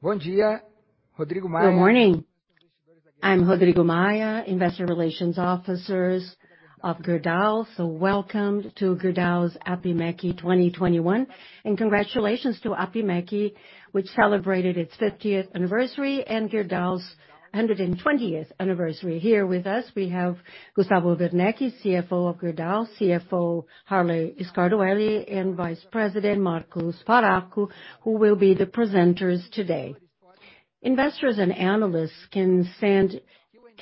Good morning. I'm Rodrigo Maia, Investor Relations Officer of Gerdau. Welcome to Gerdau's Abimeci 2021, and congratulations to Abimeci, which celebrated its 50th anniversary, and Gerdau's 120th anniversary. Here with us, we have Gustavo Werneck, CFO of Gerdau, CFO Harley Scardoelli, and Vice President Marcos Faraco, who will be the presenters today. Investors and analysts can send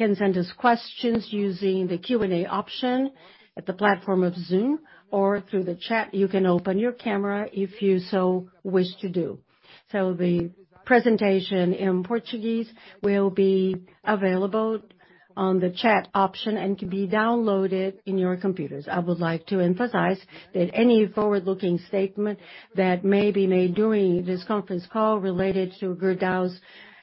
us questions using the Q&A option at the platform of Zoom or through the chat. You can open your camera if you so wish to do. The presentation in Portuguese will be available on the chat option and can be downloaded in your computers. I would like to emphasize that any forward-looking statement that may be made during this conference call related to Gerdau's,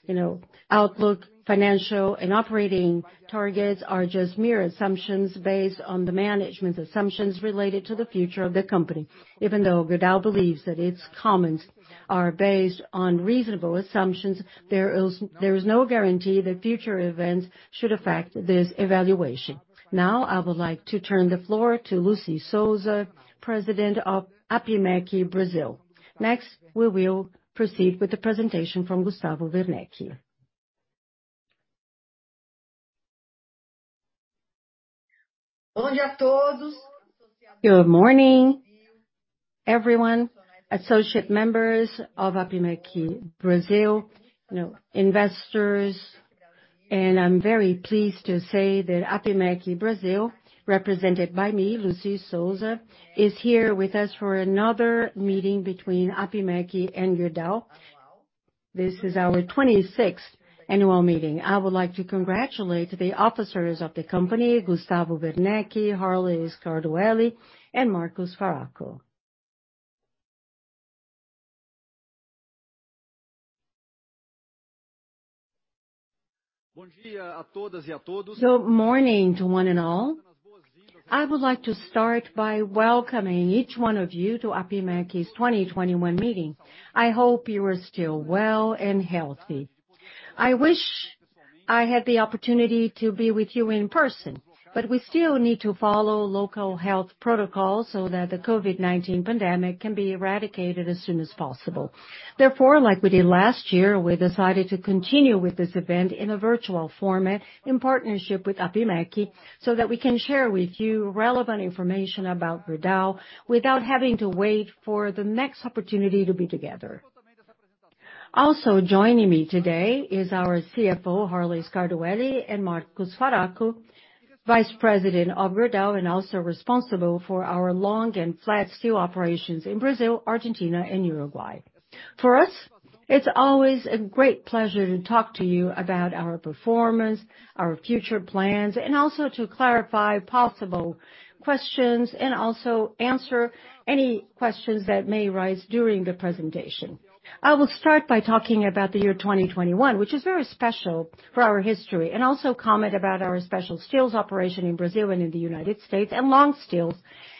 you know, outlook, financial, and operating targets are just mere assumptions based on the management assumptions related to the future of the company. Even though Gerdau believes that its comments are based on reasonable assumptions, there is no guarantee that future events should affect this evaluation. Now, I would like to turn the floor to Lucy Souza, President of ABIMEC Brazil. Next, we will proceed with the presentation from Gustavo Werneck. Good morning, everyone. Associate members of ABIMEC Brazil, you know, investors, and I'm very pleased to say that ABIMEC Brazil, represented by me, Lucy Souza, is here with us for another meeting between ABIMEC and Gerdau. This is our 26th annual meeting. I would like to congratulate the officers of the company, Gustavo Werneck, Harley Scardoelli, and Marcos Faraco. Good morning to one and all. I would like to start by welcoming each one of you to Abimeci 2021 meeting. I hope you are still well and healthy. I wish I had the opportunity to be with you in person, but we still need to follow local health protocols so that the COVID-19 pandemic can be eradicated as soon as possible. Therefore, like we did last year, we decided to continue with this event in a virtual format in partnership with Abimeci, so that we can share with you relevant information about Gerdau without having to wait for the next opportunity to be together. Joining me today is our CFO, Harley Scardoelli, and Marcos Faraco, Vice President of Gerdau, and also responsible for our long and flat steel operations in Brazil, Argentina, and Uruguay. For us, it's always a great pleasure to talk to you about our performance, our future plans, and also to clarify possible questions, and also answer any questions that may arise during the presentation. I will start by talking about the year 2021, which is very special for our history, and also comment about our special steels operation in Brazil and in the United States, and long steels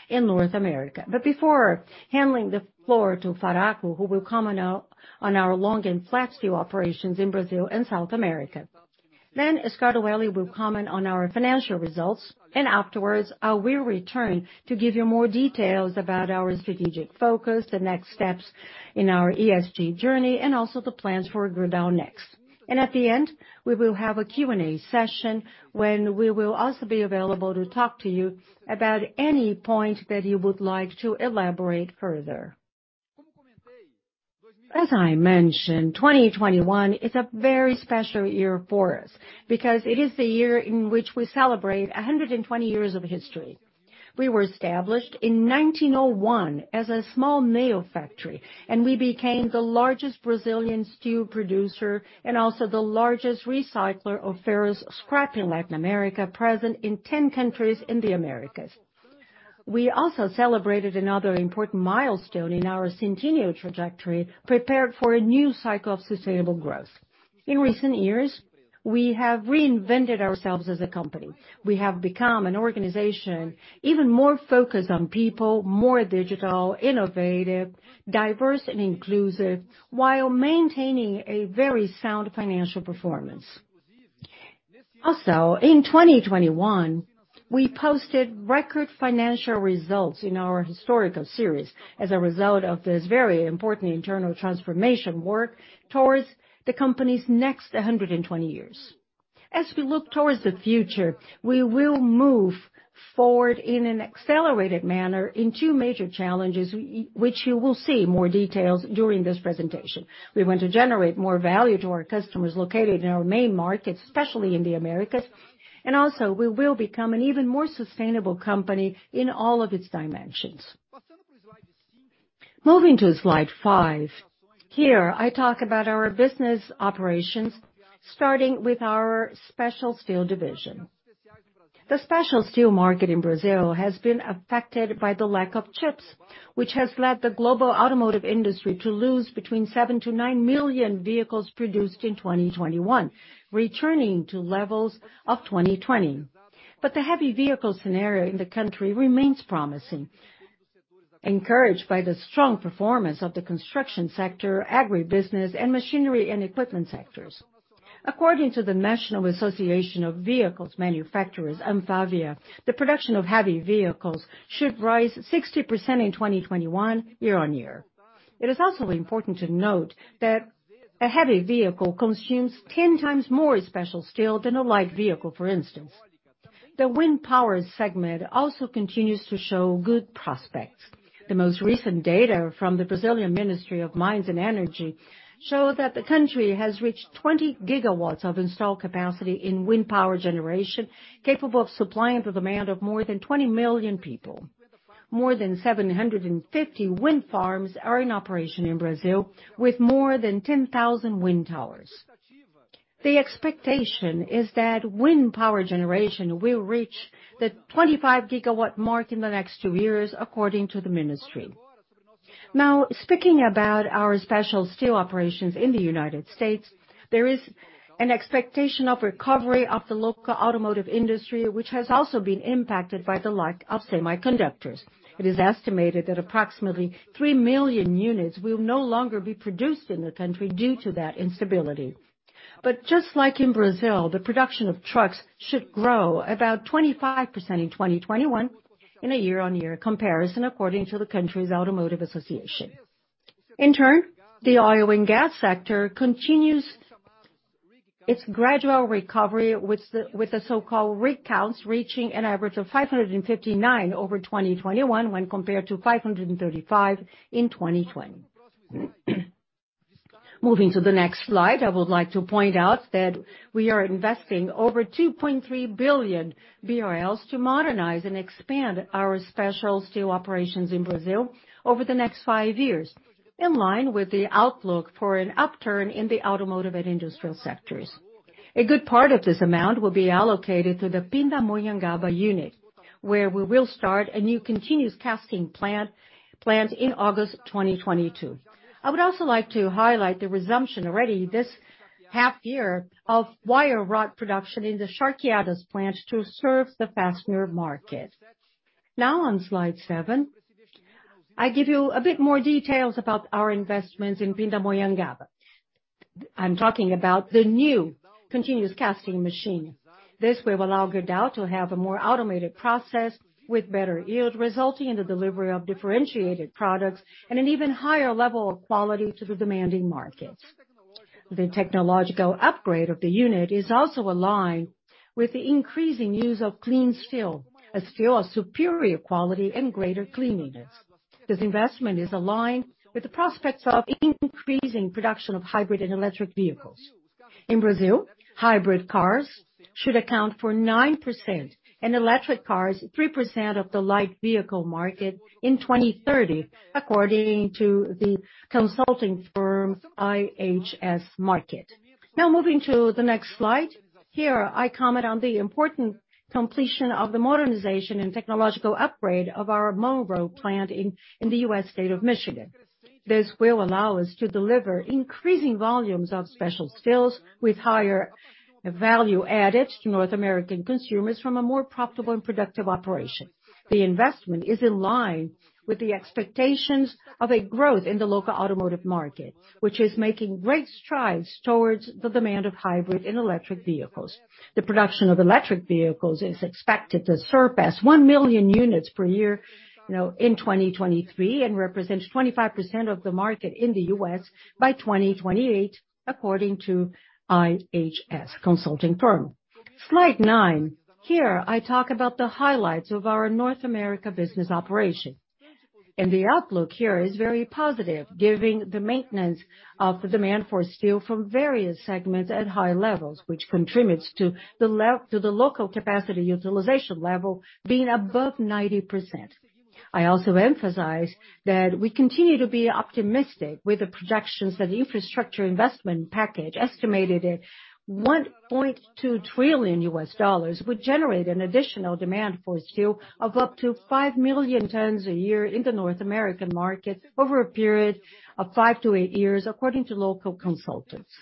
in North America. Before handing the floor to Faraco, who will comment on our long and flat steel operations in Brazil and South America, then Scardoelli will comment on our financial results. Afterwards, I will return to give you more details about our strategic focus, the next steps in our ESG journey, and also the plans for Gerdau Next. At the end, we will have a Q&A session when we will also be available to talk to you about any point that you would like to elaborate further. As I mentioned, 2021 is a very special year for us because it is the year in which we celebrate 120 years of history. We were established in 1901 as a small nail factory, and we became the largest Brazilian steel producer and also the largest recycler of ferrous scrap in Latin America, present in 10 countries in the Americas. We also celebrated another important milestone in our centennial trajectory, prepared for a new cycle of sustainable growth. In recent years, we have reinvented ourselves as a company. We have become an organization even more focused on people, more digital, innovative, diverse, and inclusive, while maintaining a very sound financial performance. Also, in 2021, we posted record financial results in our historical series as a result of this very important internal transformation work towards the company's next 120 years. As we look towards the future, we will move forward in an accelerated manner in two major challenges, which you will see more details during this presentation. We want to generate more value to our customers located in our main markets, especially in the Americas, and also we will become an even more sustainable company in all of its dimensions. Moving to slide 5. Here, I talk about our business operations, starting with our Special Steel division. The special steel market in Brazil has been affected by the lack of chips, which has led the global automotive industry to lose between seven-nine million vehicles produced in 2021, returning to levels of 2020. The heavy vehicle scenario in the country remains promising, encouraged by the strong performance of the construction sector, agribusiness, and machinery and equipment sectors. According to the National Association of Vehicles Manufacturers, ANFAVEA, the production of heavy vehicles should rise 60% in 2021 year-on-year. It is also important to note that a heavy vehicle consumes 10x more special steel than a light vehicle, for instance. The wind power segment also continues to show good prospects. The most recent data from the Brazilian Ministry of Mines and Energy show that the country has reached 20 gigawatts of installed capacity in wind power generation, capable of supplying the demand of more than 20 million people. More than 750 wind farms are in operation in Brazil, with more than 10,000 wind towers. The expectation is that wind power generation will reach the 25-GW mark in the next two years, according to the ministry. Now, speaking about our special steel operations in the United States, there is an expectation of recovery of the local automotive industry, which has also been impacted by the lack of semiconductors. It is estimated that approximately 3 million units will no longer be produced in the country due to that instability. Just like in Brazil, the production of trucks should grow about 25% in 2021 in a year-on-year comparison, according to the country's Automotive Association. In turn, the oil and gas sector continues its gradual recovery with the so-called rig counts reaching an average of 559 over 2021 when compared to 535 in 2020. Moving to the next slide, I would like to point out that we are investing over 2.3 billion BRL to modernize and expand our special steel operations in Brazil over the next five years, in line with the outlook for an upturn in the automotive and industrial sectors. A good part of this amount will be allocated to the Pindamonhangaba unit, where we will start a new continuous casting plant in August 2022. I would also like to highlight the resumption already this half year of wire rod production in the Charqueadas plant to serve the fastener market. Now on slide seven, I give you a bit more details about our investments in Pindamonhangaba. I'm talking about the new continuous casting machine. This will allow Gerdau to have a more automated process with better yield, resulting in the delivery of differentiated products and an even higher level of quality to the demanding market. The technological upgrade of the unit is also aligned with the increasing use of clean steel as steel of superior quality and greater cleanliness. This investment is aligned with the prospects of increasing production of hybrid and electric vehicles. In Brazil, hybrid cars should account for 9%, and electric cars 3% of the light vehicle market in 2030, according to the consulting firm IHS Markit. Now moving to the next slide, here, I comment on the important completion of the modernization and technological upgrade of our Monroe plant in the U.S. state of Michigan. This will allow us to deliver increasing volumes of special steels with higher value added to North American consumers from a more profitable and productive operation. The investment is in line with the expectations of a growth in the local automotive market, which is making great strides towards the demand of hybrid and electric vehicles. The production of electric vehicles is expected to surpass 1 million units per year, you know, in 2023, and represent 25% of the market in the U.S. by 2028, according to IHS Markit. Slide nine. Here, I talk about the highlights of our North America business operation. The outlook here is very positive given the maintenance of the demand for steel from various segments at high levels, which contributes to the local capacity utilization level being above 90%. I also emphasize that we continue to be optimistic with the projections that infrastructure investment package estimated at $1.2 trillion would generate an additional demand for steel of up to 5 million tons a year in the North American market over a period of five-eight years, according to local consultants.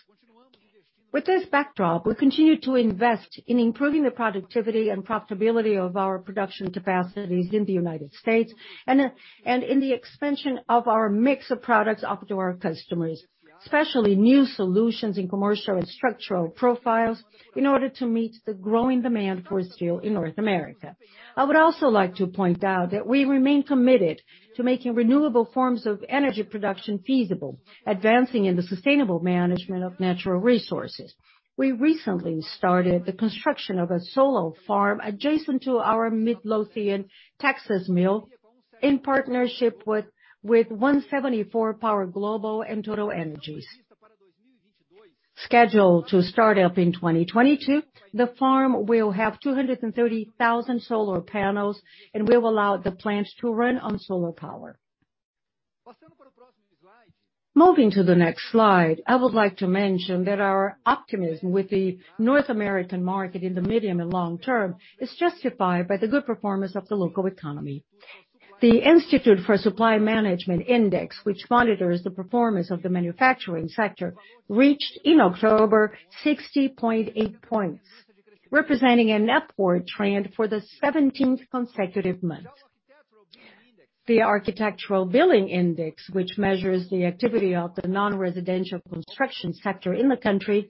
With this backdrop, we continue to invest in improving the productivity and profitability of our production capacities in the United States and in the expansion of our mix of products offered to our customers, especially new solutions in commercial and structural profiles in order to meet the growing demand for steel in North America. I would also like to point out that we remain committed to making renewable forms of energy production feasible, advancing in the sustainable management of natural resources. We recently started the construction of a solar farm adjacent to our Midlothian, Texas mill, in partnership with 174 Power Global and TotalEnergies. Scheduled to start up in 2022, the farm will have 230,000 solar panels and will allow the plant to run on solar power. Moving to the next slide, I would like to mention that our optimism with the North American market in the medium and long term is justified by the good performance of the local economy. The Institute for Supply Management index, which monitors the performance of the manufacturing sector, reached in October 60.8 points. Representing an upward trend for the 17th consecutive month. The Architecture Billings Index, which measures the activity of the non-residential construction sector in the country,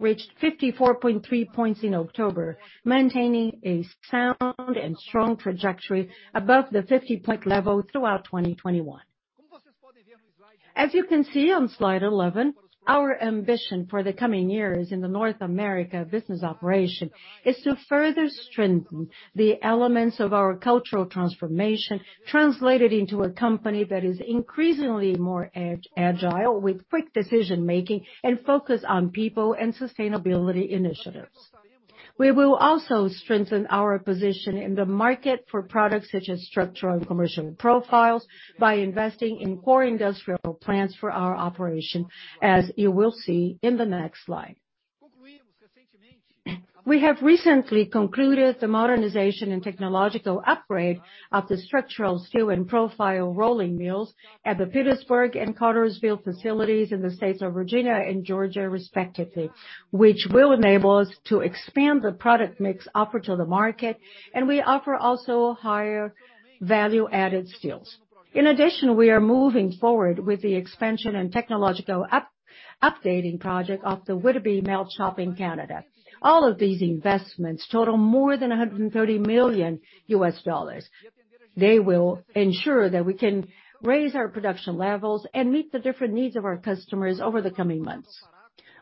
reached 54.3 points in October, maintaining a sound and strong trajectory above the 50-point level throughout 2021. As you can see on slide 11, our ambition for the coming years in the North America business operation is to further strengthen the elements of our cultural transformation, translated into a company that is increasingly more agile, with quick decision-making and focus on people and sustainability initiatives. We will also strengthen our position in the market for products such as structural and commercial profiles by investing in core industrial plants for our operation, as you will see in the next slide. We have recently concluded the modernization and technological upgrade of the structural steel and profile rolling mills at the Petersburg and Cartersville facilities in the states of Virginia and Georgia respectively, which will enable us to expand the product mix offered to the market, and we offer also higher value-added steels. In addition, we are moving forward with the expansion and technological updating project of the Whitby melt shop in Canada. All of these investments total more than $130 million. They will ensure that we can raise our production levels and meet the different needs of our customers over the coming months.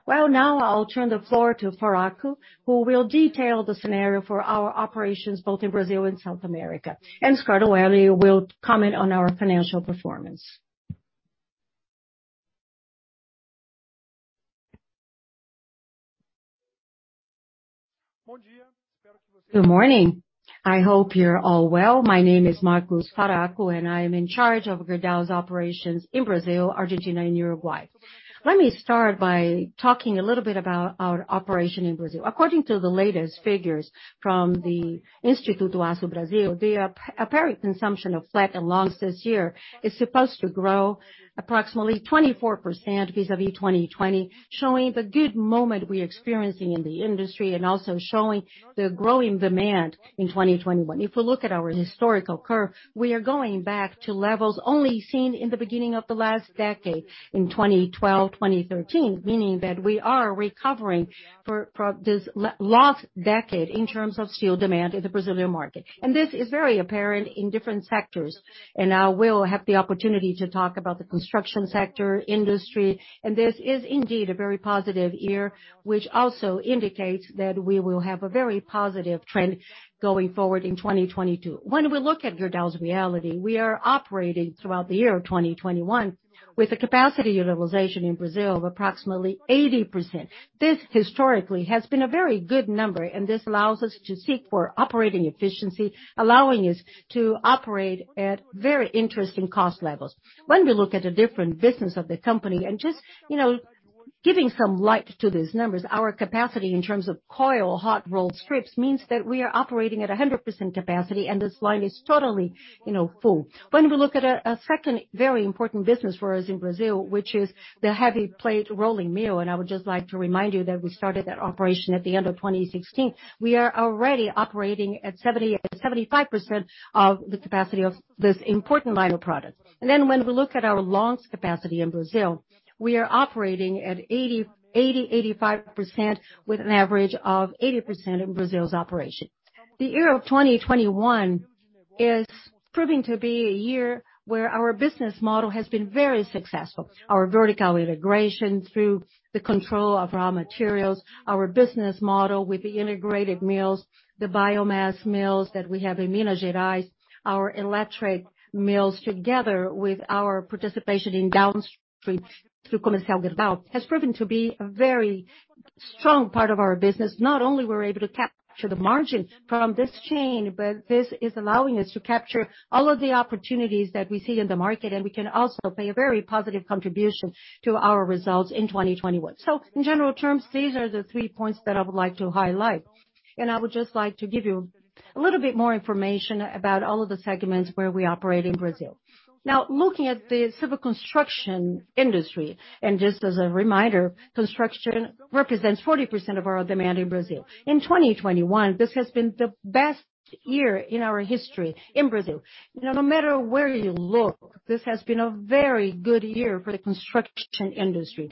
Well, now I'll turn the floor to Faraco, who will detail the scenario for our operations both in Brazil and South America. Scardoelli will comment on our financial performance. Good morning. I hope you're all well. My name is Marcos Faraco, and I am in charge of Gerdau's operations in Brazil, Argentina and Uruguay. Let me start by talking a little bit about our operation in Brazil. According to the latest figures from the Instituto Aço Brasil, the apparent consumption of flat and longs this year is supposed to grow approximately 24% vis-à-vis 2020, showing the good moment we're experiencing in the industry and also showing the growing demand in 2021. If we look at our historical curve, we are going back to levels only seen in the beginning of the last decade, in 2012, 2013, meaning that we are recovering from this last decade in terms of steel demand in the Brazilian market. This is very apparent in different sectors, and I will have the opportunity to talk about the construction sector, industry, and this is indeed a very positive year, which also indicates that we will have a very positive trend going forward in 2022. When we look at Gerdau's reality, we are operating throughout the year of 2021 with a capacity utilization in Brazil of approximately 80%. This historically has been a very good number, and this allows us to seek for operating efficiency, allowing us to operate at very interesting cost levels. When we look at the different business of the company, and just, you know, giving some light to these numbers, our capacity in terms of coil hot rolled strips means that we are operating at a 100% capacity, and this line is totally, you know, full. When we look at a second very important business for us in Brazil, which is the heavy plate rolling mill, and I would just like to remind you that we started that operation at the end of 2016. We are already operating at 75% of the capacity of this important line of products. When we look at our longs capacity in Brazil, we are operating at 85% with an average of 80% in Brazil's operation. The year of 2021 is proving to be a year where our business model has been very successful. Our vertical integration through the control of raw materials, our business model with the integrated mills, the biomass mills that we have in Minas Gerais, our electric mills, together with our participation in downstream through Comercial Gerdau, has proven to be a very strong part of our business. Not only we're able to capture the margin from this chain, but this is allowing us to capture all of the opportunities that we see in the market, and we can also pay a very positive contribution to our results in 2021. In general terms, these are the three points that I would like to highlight. I would just like to give you a little bit more information about all of the segments where we operate in Brazil. Now, looking at the civil construction industry, and just as a reminder, construction represents 40% of our demand in Brazil. In 2021, this has been the best year in our history in Brazil. You know, no matter where you look, this has been a very good year for the construction industry.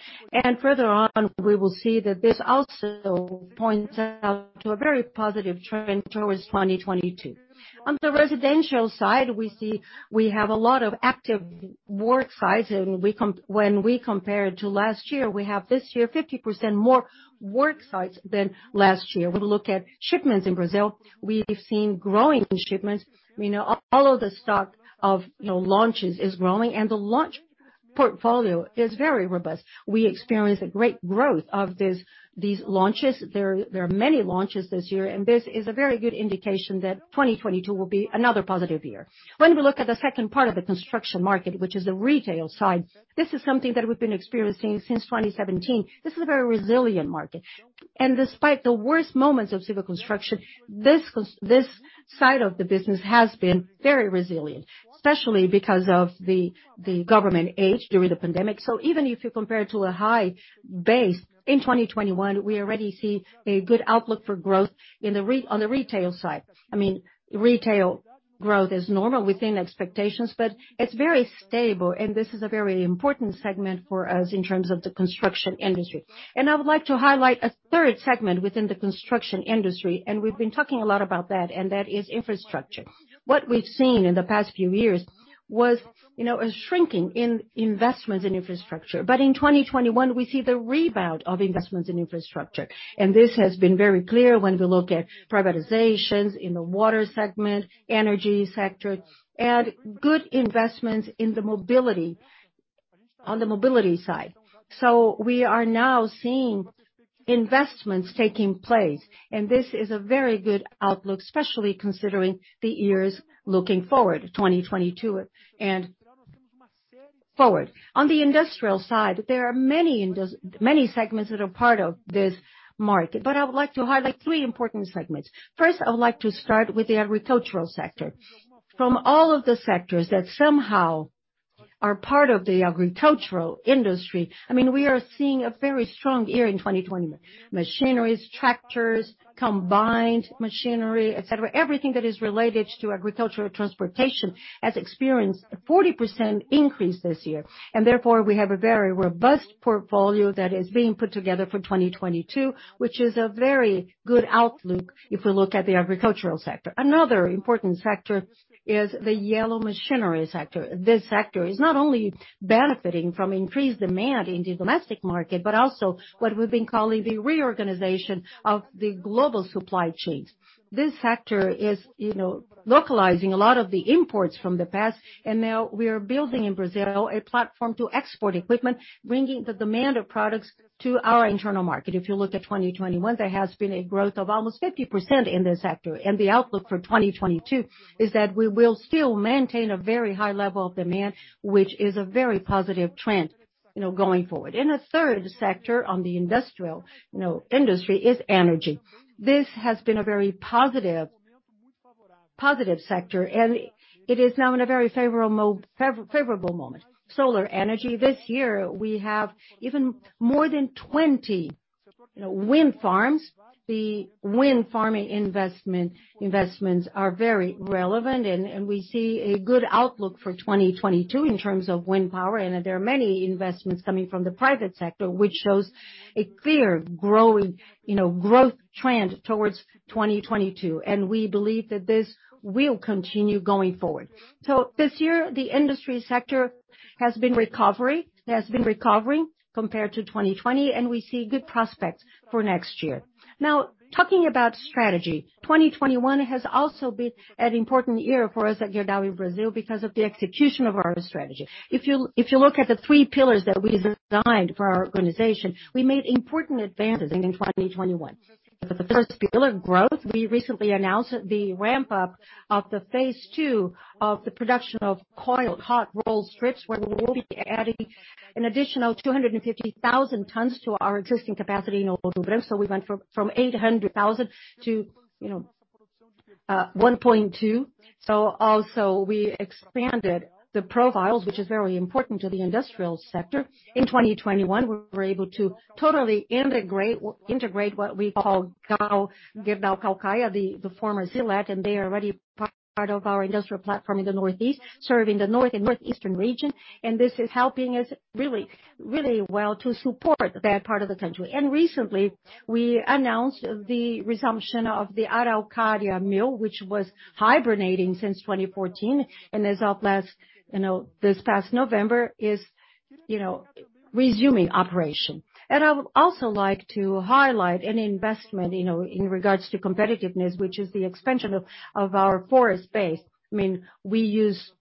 Further on, we will see that this also points out to a very positive trend towards 2022. On the residential side, we see we have a lot of active work sites. When we compare to last year, we have this year 50% more work sites than last year. When we look at shipments in Brazil, we've seen growing shipments. You know, all of the stock of, you know, launches is growing, and the launch portfolio is very robust. We experience a great growth of this, these launches. There are many launches this year, and this is a very good indication that 2022 will be another positive year. When we look at the second part of the construction market, which is the retail side, this is something that we've been experiencing since 2017. This is a very resilient market. Despite the worst moments of civil construction, this side of the business has been very resilient, especially because of the government aid during the pandemic. Even if you compare to a high base in 2021, we already see a good outlook for growth in the retail side. I mean, retail growth is normal within expectations, but it's very stable, and this is a very important segment for us in terms of the construction industry. I would like to highlight 1/3 segment within the construction industry, and we've been talking a lot about that, and that is infrastructure. What we've seen in the past few years was, you know, a shrinking in investments in infrastructure. In 2021, we see the rebound of investments in infrastructure. This has been very clear when we look at privatizations in the water segment, energy sector, and good investments in the mobility, on the mobility side. We are now seeing investments taking place, and this is a very good outlook, especially considering the years looking forward, 2022 and forward. On the industrial side, there are many segments that are part of this market, but I would like to highlight three important segments. First, I would like to start with the agricultural sector. From all of the sectors that somehow are part of the agricultural industry, I mean, we are seeing a very strong year in 2020. Machineries, tractors, combined machinery, et cetera, everything that is related to agricultural transportation has experienced a 40% increase this year. Therefore, we have a very robust portfolio that is being put together for 2022, which is a very good outlook if we look at the agricultural sector. Another important sector is the yellow machinery sector. This sector is not only benefiting from increased demand in the domestic market, but also what we've been calling the reorganization of the global supply chains. This sector is, you know, localizing a lot of the imports from the past, and now we are building in Brazil a platform to export equipment, bringing the demand of products to our internal market. If you look at 2021, there has been a growth of almost 50% in this sector. The outlook for 2022 is that we will still maintain a very high level of demand, which is a very positive trend, you know, going forward. A third sector on the industrial, you know, industry is energy. This has been a very positive sector, and it is now in a very favorable moment. Solar energy, this year we have even more than 20, you know, wind farms. The wind farming investments are very relevant and we see a good outlook for 2022 in terms of wind power, and there are many investments coming from the private sector, which shows a clear growth trend towards 2022. We believe that this will continue going forward. This year, the industry sector has been recovering compared to 2020, and we see good prospects for next year. Now, talking about strategy, 2021 has also been an important year for us at Gerdau in Brazil because of the execution of our strategy. If you look at the three pillars that we designed for our organization, we made important advances in 2021. For the first pillar of growth, we recently announced the ramp-up of the phase two of the production of coiled hot rolled strips, where we will be adding an additional 250,000 tons to our existing capacity in Ouro Branco. We went from 800,000 to, you know, 1.2. We also expanded the profiles, which is very important to the industrial sector. In 2021, we were able to totally integrate what we call Gerdau Caucaia, the former Silat, and they are already part of our industrial platform in the northeast, serving the north and northeastern region. This is helping us really well to support that part of the country. Recently, we announced the resumption of the Araucária mill, which was hibernating since 2014. As of last November, you know, it is resuming operation. I would also like to highlight an investment, you know, in regards to competitiveness, which is the expansion of our forest base. I mean, we use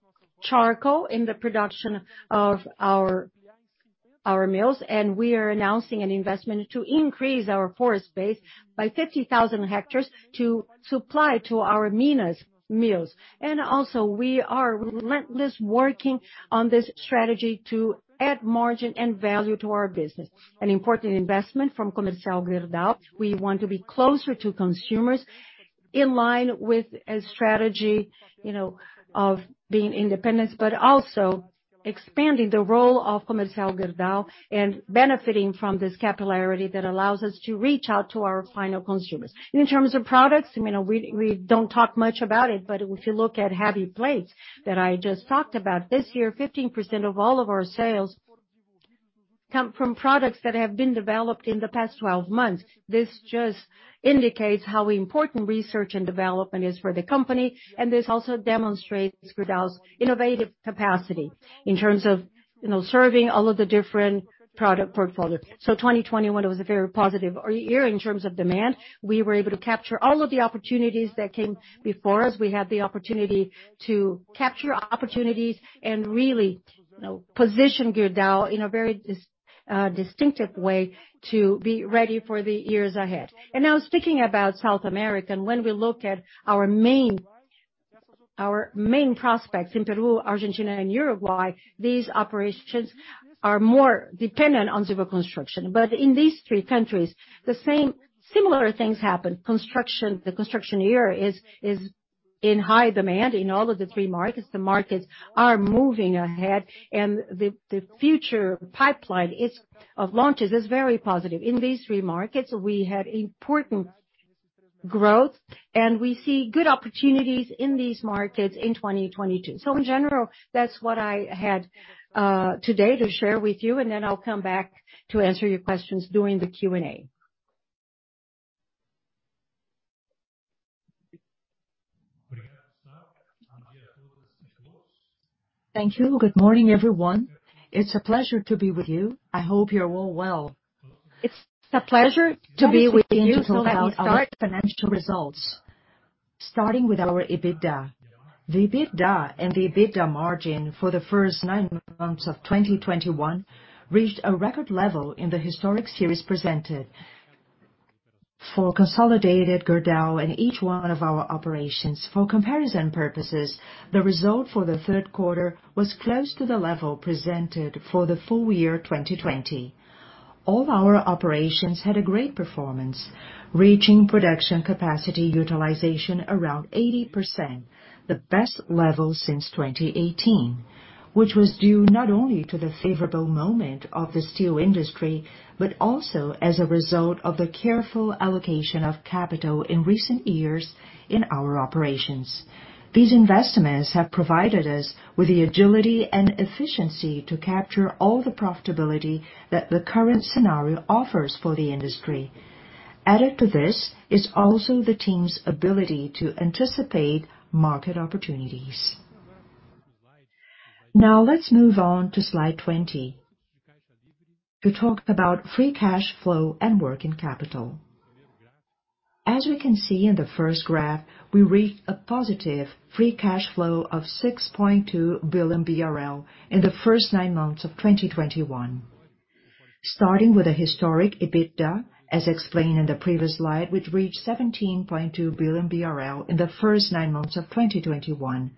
charcoal in the production of our mills, and we are announcing an investment to increase our forest base by 50,000 hectares to supply to our Minas mills. Also we are relentless working on this strategy to add margin and value to our business. An important investment from Comercial Gerdau. We want to be closer to consumers in line with a strategy, you know, of being independent, but also expanding the role of Comercial Gerdau and benefiting from this capillarity that allows us to reach out to our final consumers. In terms of products, you know, we don't talk much about it, but if you look at heavy plates that I just talked about, this year, 15% of all of our sales come from products that have been developed in the past 12 months. This just indicates how important research and development is for the company, and this also demonstrates Gerdau's innovative capacity in terms of, you know, serving all of the different product portfolio. 2021 was a very positive year in terms of demand. We were able to capture all of the opportunities that came before us. We had the opportunity to capture opportunities and really, you know, position Gerdau in a very distinctive way to be ready for the years ahead. Now speaking about South America, when we look at our main prospects in Peru, Argentina, and Uruguay, these operations are more dependent on civil construction. In these three countries, similar things happen. The construction sector is in high demand in all of the three markets. The markets are moving ahead and the future pipeline of launches is very positive. In these three markets, we had important growth, and we see good opportunities in these markets in 2022. In general, that's what I had today to share with you, and then I'll come back to answer your questions during the Q&A. Thank you. Good morning, everyone. It's a pleasure to be with you. I hope you're all well. It's a pleasure to be with you, so let me start financial results. Starting with our EBITDA. The EBITDA and the EBITDA margin for the first nine months of 2021 reached a record level in the historic series presented for consolidated Gerdau in each one of our operations. For comparison purposes, the result for the third quarter was close to the level presented for the full year 2020. All our operations had a great performance, reaching production capacity utilization around 80%, the best level since 2018, which was due not only to the favorable moment of the steel industry, but also as a result of the careful allocation of capital in recent years in our operations. These investments have provided us with the agility and efficiency to capture all the profitability that the current scenario offers for the industry. Added to this is also the team's ability to anticipate market opportunities. Now, let's move on to slide 20 to talk about free cash flow and working capital. As we can see in the first graph, we reached a positive free cash flow of 6.2 billion BRL in the first nine months of 2021. Starting with a historic EBITDA, as explained in the previous slide, which reached 17.2 billion BRL in the first nine months of 2021.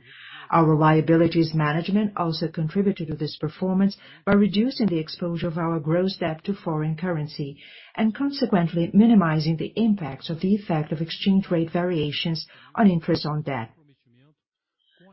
Our liabilities management also contributed to this performance by reducing the exposure of our gross debt to foreign currency, and consequently minimizing the impacts of the effect of exchange rate variations on interest on debt.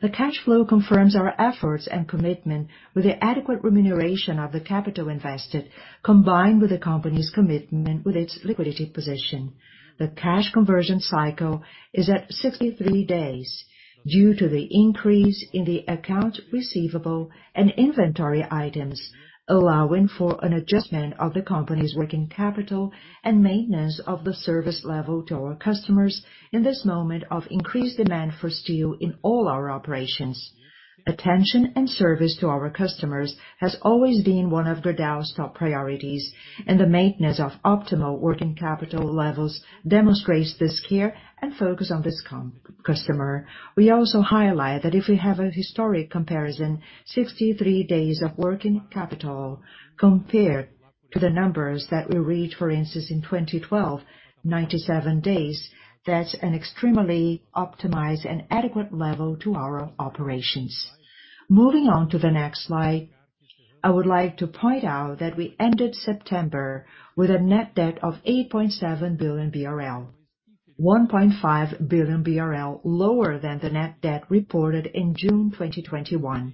The cash flow confirms our efforts and commitment with the adequate remuneration of the capital invested, combined with the company's commitment with its liquidity position. The cash conversion cycle is at 63 days due to the increase in the accounts receivable and inventory items, allowing for an adjustment of the company's working capital and maintenance of the service level to our customers in this moment of increased demand for steel in all our operations. Attention and service to our customers has always been one of Gerdau's top priorities, and the maintenance of optimal working capital levels demonstrates this care and focus on this customer. We also highlight that if we have a historic comparison, 63 days of working capital compared to the numbers that we reached, for instance, in 2012, 97 days. That's an extremely optimized and adequate level to our operations. Moving on to the next slide, I would like to point out that we ended September with a net debt of 8.7 billion BRL, 1.5 billion BRL lower than the net debt reported in June 2021.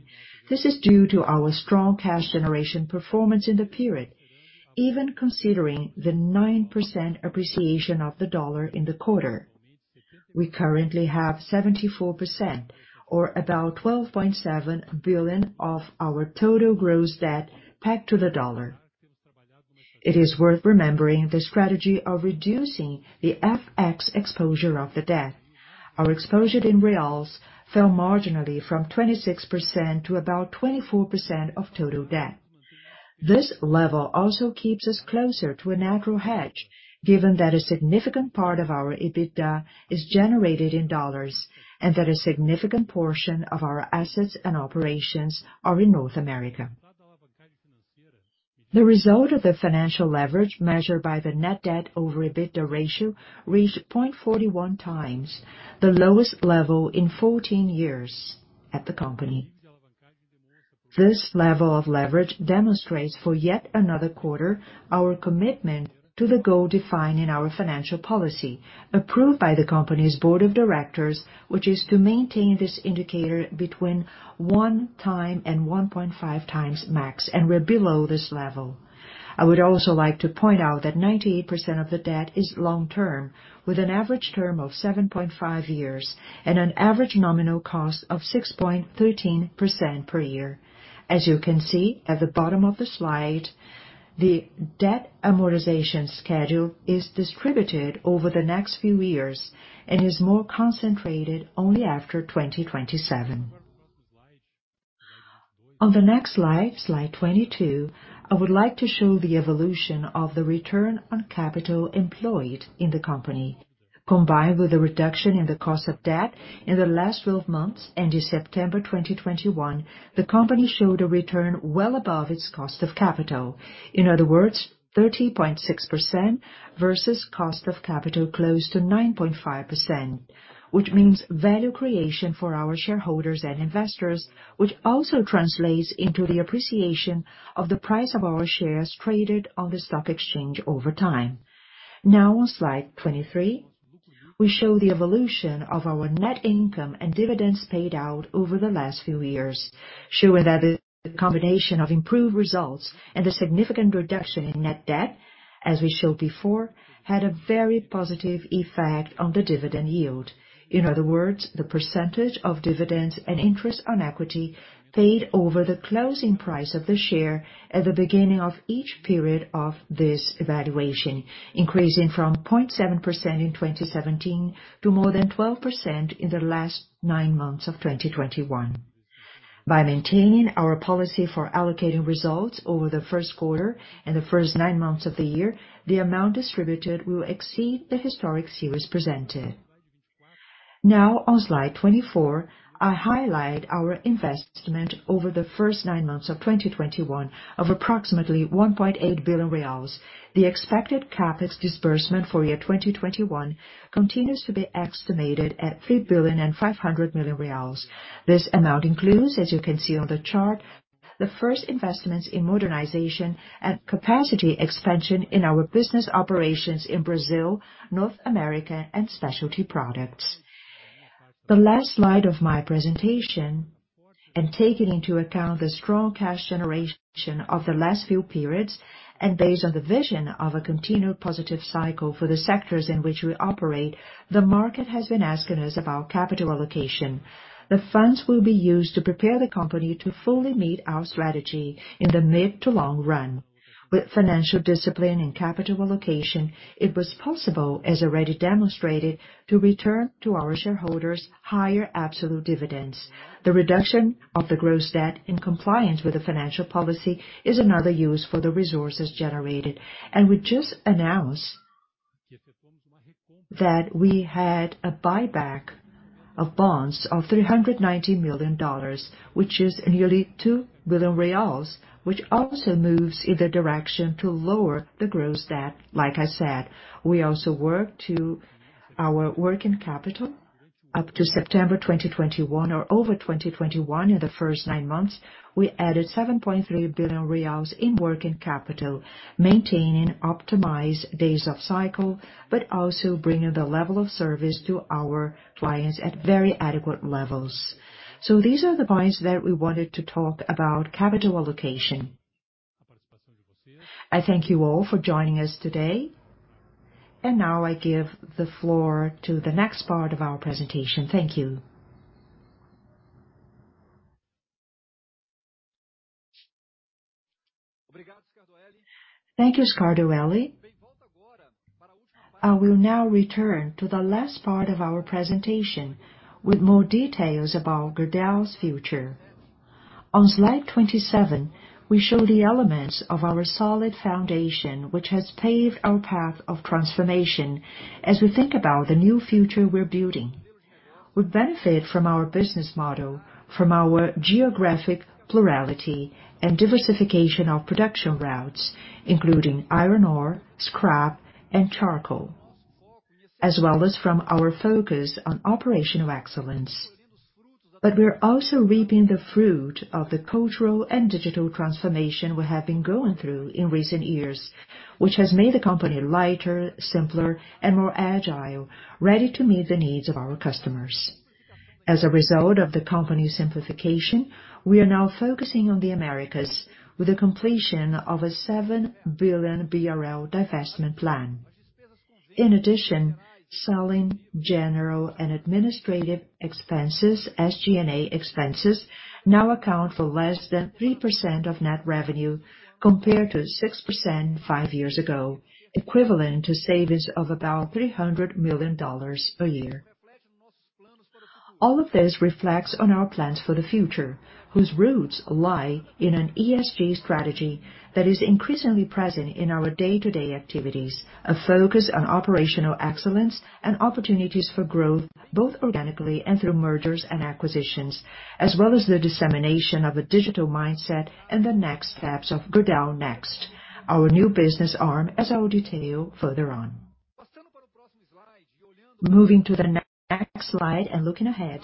This is due to our strong cash generation performance in the period, even considering the 9% appreciation of the dollar in the quarter. We currently have 74% or about 12.7 billion of our total gross debt pegged to the dollar. It is worth remembering the strategy of reducing the FX exposure of the debt. Our exposure in reals fell marginally from 26% to about 24% of total debt. This level also keeps us closer to a natural hedge, given that a significant part of our EBITDA is generated in dollars, and that a significant portion of our assets and operations are in North America. The result of the financial leverage measured by the net debt over EBITDA ratio reached 0.41x, the lowest level in 14 years at the company. This level of leverage demonstrates for yet another quarter our commitment to the goal defined in our financial policy, approved by the company's board of directors, which is to maintain this indicator between 1x and 1.5x max, and we're below this level. I would also like to point out that 98% of the debt is long-term, with an average term of 7.5 years and an average nominal cost of 6.13% per year. As you can see at the bottom of the slide, the debt amortization schedule is distributed over the next few years and is more concentrated only after 2027. On the next slide 22, I would like to show the evolution of the return on capital employed in the company. Combined with the reduction in the cost of debt in the last 12 months, ending September 2021, the company showed a return well above its cost of capital. In other words, 30.6% versus cost of capital close to 9.5%, which means value creation for our shareholders and investors, which also translates into the appreciation of the price of our shares traded on the stock exchange over time. Now on slide 23, we show the evolution of our net income and dividends paid out over the last few years, showing that the combination of improved results and the significant reduction in net debt, as we showed before, had a very positive effect on the dividend yield. In other words, the percentage of dividends and interest on equity paid over the closing price of the share at the beginning of each period of this evaluation, increasing from 0.7% in 2017 to more than 12% in the last nine months of 2021. By maintaining our policy for allocating results over the first quarter and the first nine months of the year, the amount distributed will exceed the historic series presented. Now on slide 24, I highlight our investment over the first nine months of 2021 of approximately BRL 1.8 billion. The expected CapEx disbursement for 2021 continues to be estimated at 3.5 billion. This amount includes, as you can see on the chart, the first investments in modernization and capacity expansion in our business operations in Brazil, North America and specialty products. The last slide of my presentation, and taking into account the strong cash generation of the last few periods, and based on the vision of a continued positive cycle for the sectors in which we operate, the market has been asking us about capital allocation. The funds will be used to prepare the company to fully meet our strategy in the mid to long run. With financial discipline and capital allocation, it was possible, as already demonstrated, to return to our shareholders higher absolute dividends. The reduction of the gross debt in compliance with the financial policy is another use for the resources generated. We just announced that we had a buyback of bonds of $390 million, which is nearly 2 billion reais, which also moves in the direction to lower the gross debt, like I said. We also worked on our working capital up to September 2021 or over 2021 in the first nine months. We added 7.3 billion reais in working capital, maintaining optimized days of cycle, but also bringing the level of service to our clients at very adequate levels. These are the points that we wanted to talk about capital allocation. I thank you all for joining us today. Now I give the floor to the next part of our presentation. Thank you. Thank you, Scardoelli. I will now return to the last part of our presentation with more details about Gerdau's future. On slide 27, we show the elements of our solid foundation, which has paved our path of transformation as we think about the new future we're building. We benefit from our business model, from our geographic plurality and diversification of production routes, including iron ore, scrap and charcoal, as well as from our focus on operational excellence. We're also reaping the fruit of the cultural and digital transformation we have been going through in recent years, which has made the company lighter, simpler and more agile, ready to meet the needs of our customers. As a result of the company's simplification, we are now focusing on the Americas with the completion of a 7 billion BRL divestment plan. In addition, selling general and administrative expenses, SG&A expenses, now account for less than 3% of net revenue compared to 6% five years ago, equivalent to savings of about $300 million a year. All of this reflects on our plans for the future, whose roots lie in an ESG strategy that is increasingly present in our day-to-day activities, a focus on operational excellence and opportunities for growth, both organically and through mergers and acquisitions, as well as the dissemination of a digital mindset and the next steps of Gerdau Next, our new business arm, as I will detail further on. Moving to the next slide and looking ahead,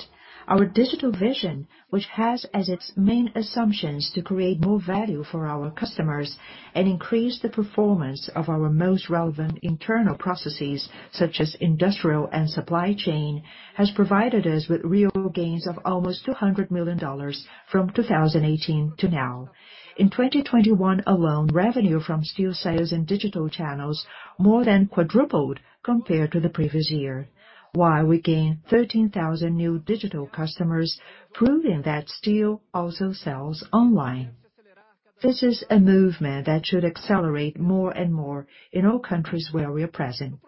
our digital vision, which has as its main assumptions to create more value for our customers and increase the performance of our most relevant internal processes, such as industrial and supply chain, has provided us with real gains of almost $200 million from 2018 to now. In 2021 alone, revenue from steel sales in digital channels more than quadrupled compared to the previous year, while we gained 13,000 new digital customers, proving that steel also sells online. This is a movement that should accelerate more and more in all countries where we are present.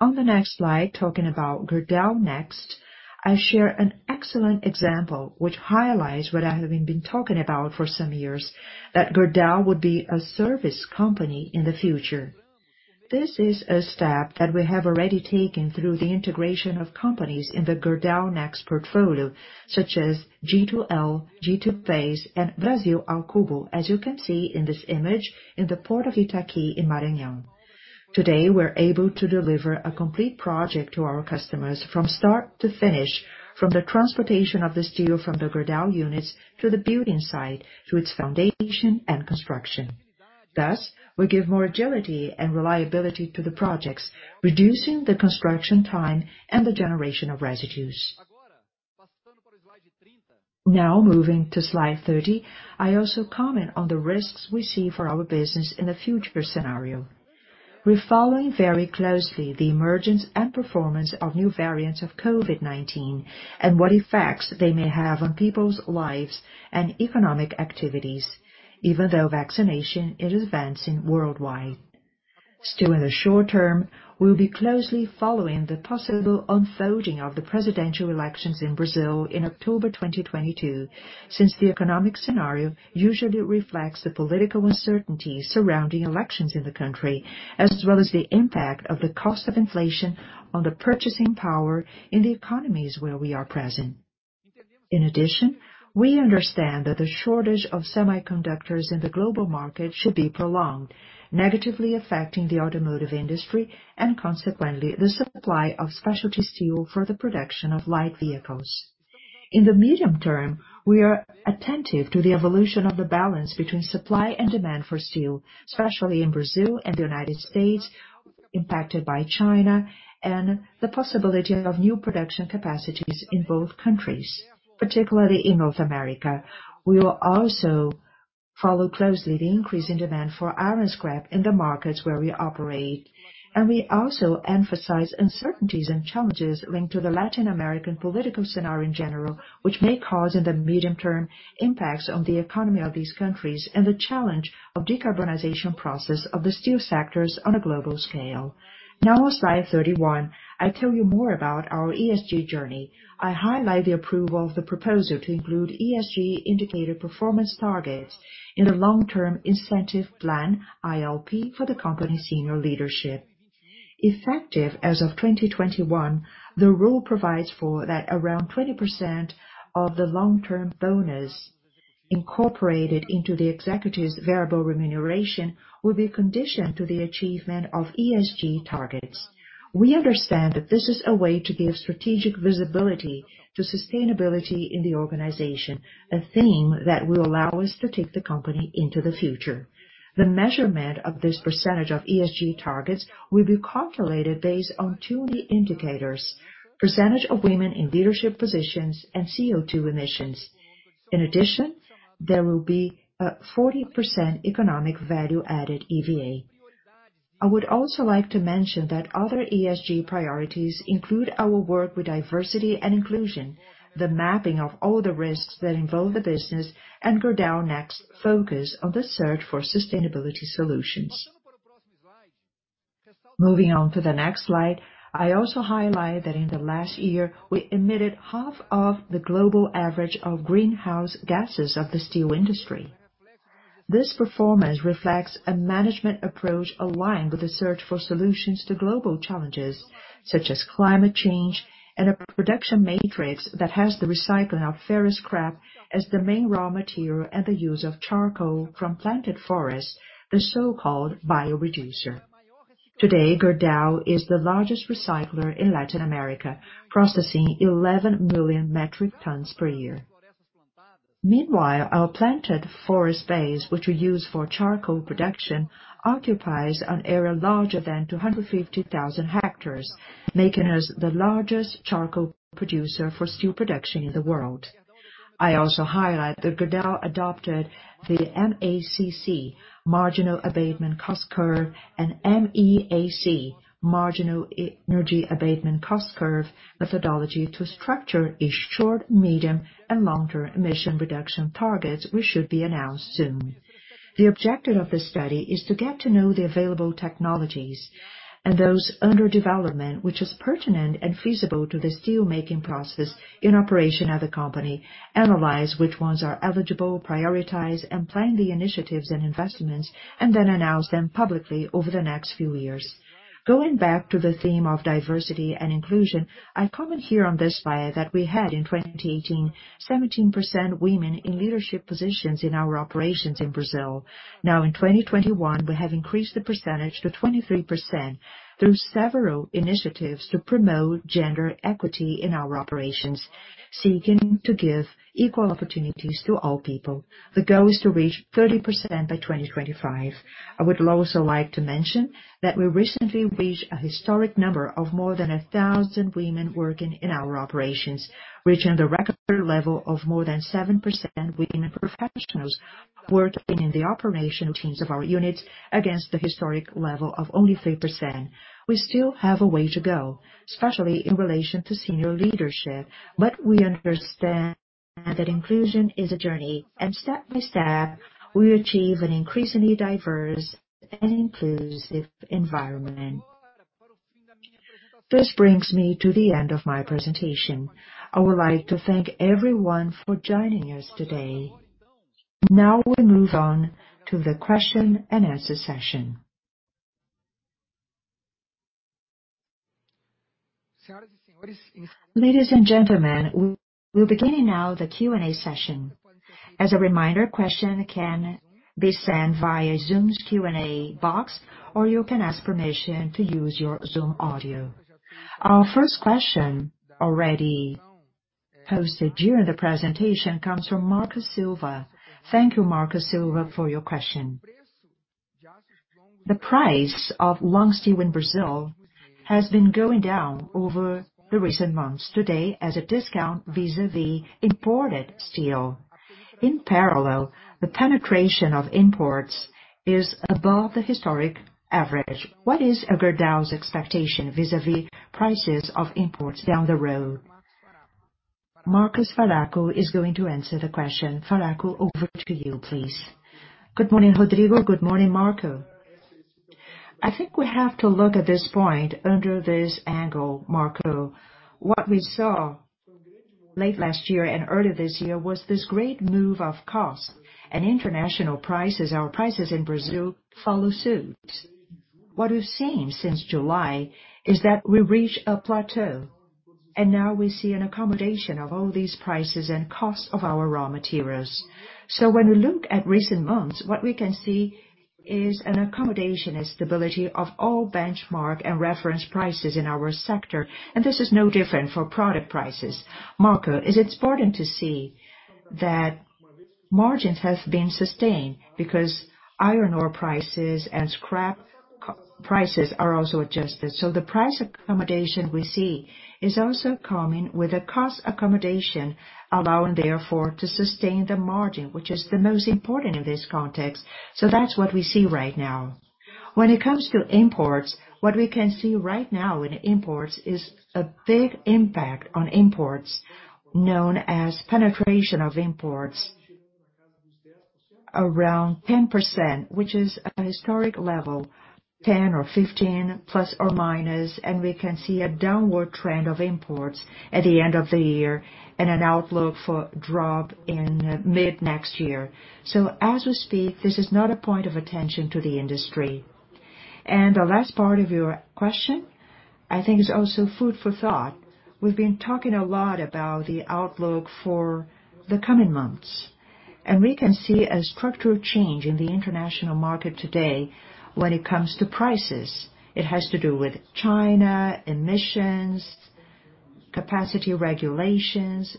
On the next slide, talking about Gerdau Next, I share an excellent example which highlights what I have been talking about for some years, that Gerdau would be a service company in the future. This is a step that we have already taken through the integration of companies in the Gerdau Next portfolio, such as G2L, G2Base, and Brasil ao Cubo, as you can see in this image in the Port of Itaqui in Maranhão. Today, we're able to deliver a complete project to our customers from start to finish, from the transportation of the steel from the Gerdau units to the building site, to its foundation and construction. Thus, we give more agility and reliability to the projects, reducing the construction time and the generation of residues. Now, moving to slide 30, I also comment on the risks we see for our business in the future scenario. We're following very closely the emergence and performance of new variants of COVID-19 and what effects they may have on people's lives and economic activities, even though vaccination is advancing worldwide. Still in the short term, we'll be closely following the possible unfolding of the presidential elections in Brazil in October 2022, since the economic scenario usually reflects the political uncertainties surrounding elections in the country, as well as the impact of the cost of inflation on the purchasing power in the economies where we are present. In addition, we understand that the shortage of semiconductors in the global market should be prolonged, negatively affecting the automotive industry and consequently, the supply of specialty steel for the production of light vehicles. In the medium term, we are attentive to the evolution of the balance between supply and demand for steel, especially in Brazil and the United States, impacted by China and the possibility of new production capacities in both countries, particularly in North America. We will also follow closely the increase in demand for iron scrap in the markets where we operate. We also emphasize uncertainties and challenges linked to the Latin American political scenario in general, which may cause, in the medium term, impacts on the economy of these countries and the challenge of decarbonization process of the steel sectors on a global scale. Now on slide 31, I tell you more about our ESG journey. I highlight the approval of the proposal to include ESG indicator performance targets in the Long-Term Incentive Plan, ILP, for the company senior leadership. Effective as of 2021, the rule provides for that around 20% of the long-term bonus incorporated into the executive's variable remuneration will be conditioned to the achievement of ESG targets. We understand that this is a way to give strategic visibility to sustainability in the organization, a theme that will allow us to take the company into the future. The measurement of this percentage of ESG targets will be calculated based on two key indicators: percentage of women in leadership positions and CO₂ emissions. In addition, there will be a 40% economic value added, EVA. I would also like to mention that other ESG priorities include our work with diversity and inclusion, the mapping of all the risks that involve the business, and Gerdau Next focus on the search for sustainability solutions. Moving on to the next slide, I also highlight that in the last year, we emitted half of the global average of greenhouse gases of the steel industry. This performance reflects a management approach aligned with the search for solutions to global challenges, such as climate change and a production matrix that has the recycling of ferrous scrap as the main raw material, and the use of charcoal from planted forests, the so-called Bioreducer. Today, Gerdau is the largest recycler in Latin America, processing 11 million metric tons per year. Meanwhile, our planted forest base, which we use for charcoal production, occupies an area larger than 250,000 hectares, making us the largest charcoal producer for steel production in the world. I also highlight that Gerdau adopted the MACC, Marginal Abatement Cost Curve, and MEAC, Marginal Energy Abatement Cost Curve methodology to structure its short, medium, and long-term emission reduction targets, which should be announced soon. The objective of the study is to get to know the available technologies and those under development, which is pertinent and feasible to the steelmaking process in operation at the company, analyze which ones are eligible, prioritize, and plan the initiatives and investments, and then announce them publicly over the next few years. Going back to the theme of diversity and inclusion, I comment here on this slide that we had in 2018, 17% women in leadership positions in our operations in Brazil. Now in 2021, we have increased the percentage to 23% through several initiatives to promote gender equity in our operations, seeking to give equal opportunities to all people. The goal is to reach 30% by 2025. I would also like to mention that we recently reached a historic number of more than 1,000 women working in our operations, reaching the record level of more than 7% women professionals working in the operational teams of our units against the historic level of only 3%. We still have a way to go, especially in relation to senior leadership. We understand that inclusion is a journey, and step by step, we achieve an increasingly diverse and inclusive environment. This brings me to the end of my presentation. I would like to thank everyone for joining us today. Now we move on to the question and answer session. Ladies and gentlemen, we're beginning now the Q&A session. As a reminder, questions can be sent via Zoom's Q&A box, or you can ask permission to use your Zoom audio. Our first question, already posted during the presentation, comes from Marco Silva. Thank you, Marco Silva, for your question. The price of long steel in Brazil has been going down over the recent months. Today, it has a discount vis-à-vis imported steel. In parallel, the penetration of imports is above the historic average. What is Gerdau's expectation vis-à-vis prices of imports down the road? Marcos Faraco is going to answer the question. Faraco, over to you, please. Good morning, Rodrigo. Good morning, Marco. I think we have to look at this point under this angle, Marco. What we saw late last year and earlier this year was this great move in costs and international prices. Our prices in Brazil follow suit. What we've seen since July is that we reached a plateau, and now we see an accommodation of all these prices and costs of our raw materials. When we look at recent months, what we can see is an accommodation and stability of all benchmark and reference prices in our sector, and this is no different for product prices. Marco, it's important to see that margins have been sustained because iron ore prices and scrap prices are also adjusted. The price accommodation we see is also coming with a cost accommodation, allowing therefore to sustain the margin, which is the most important in this context. That's what we see right now. When it comes to imports, what we can see right now in imports is a big impact on imports, known as penetration of imports, around 10%, which is a historic level, 10 or 15, ±, and we can see a downward trend of imports at the end of the year and an outlook for drop in mid-next year. So as we speak, this is not a point of attention to the industry. The last part of your question, I think is also food for thought. We've been talking a lot about the outlook for the coming months, and we can see a structural change in the international market today when it comes to prices. It has to do with China, emissions, capacity regulations.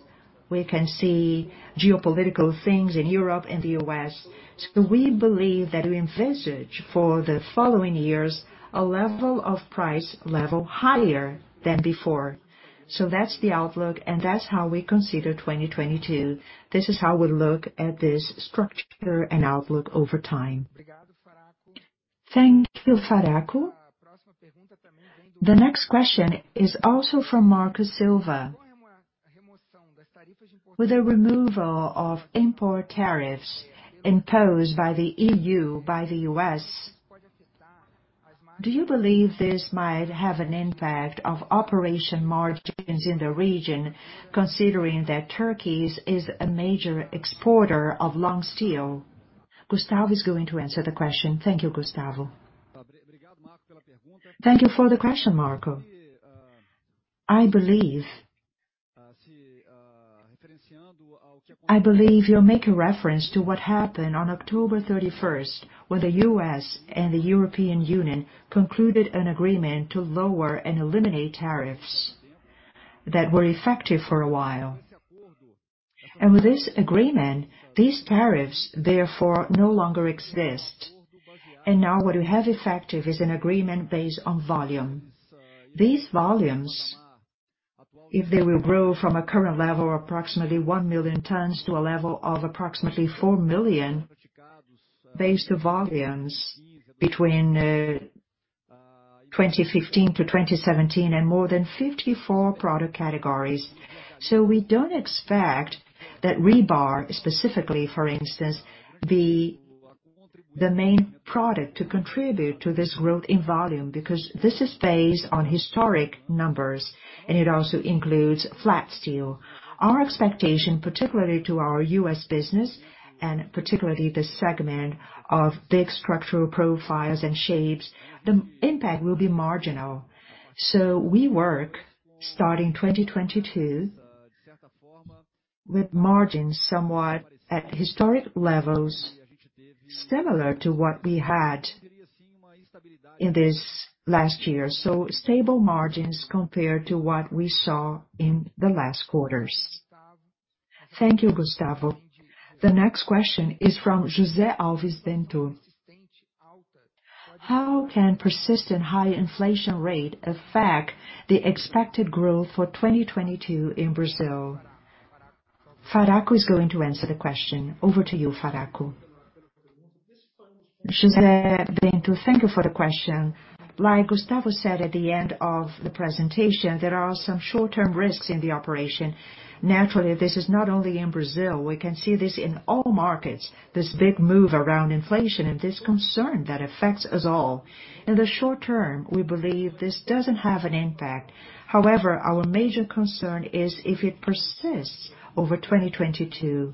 We can see geopolitical things in Europe and the U.S. We believe that we envisage for the following years a level of price level higher than before. That's the outlook, and that's how we consider 2022. This is how we look at this structure and outlook over time. Thank you, Faraco. The next question is also from Marco Silva. With the removal of import tariffs imposed by the E.U., by the U.S., do you believe this might have an impact on operating margins in the region, considering that Turkey is a major exporter of long steel? Gustavo is going to answer the question. Thank you, Gustavo. Thank you for the question, Marco. I believe you make a reference to what happened on October 31, where the U.S. and the European Union concluded an agreement to lower and eliminate tariffs that were effective for a while. With this agreement, these tariffs, therefore, no longer exist. Now what we have in effect is an agreement based on volume. These volumes, if they will grow from a current level of approximately 1 million tons to a level of approximately 4 million, based on the volumes between 2015 to 2017 and more than 54 product categories. We don't expect that rebar, specifically, for instance, be the main product to contribute to this growth in volume, because this is based on historic numbers, and it also includes flat steel. Our expectation, particularly to our U.S. business and particularly the segment of big structural profiles and shapes, the impact will be marginal. We work starting 2022 with margins somewhat at historic levels, similar to what we had in this last year, stable margins compared to what we saw in the last quarters. Thank you, Gustavo. The next question is from José Alves Bento. How can persistent high inflation rate affect the expected growth for 2022 in Brazil? Faraco is going to answer the question. Over to you, Faraco. José Bento, thank you for the question. Like Gustavo said at the end of the presentation, there are some short-term risks in the operation. Naturally, this is not only in Brazil. We can see this in all markets, this big move around inflation and this concern that affects us all. In the short term, we believe this doesn't have an impact. However, our major concern is if it persists over 2022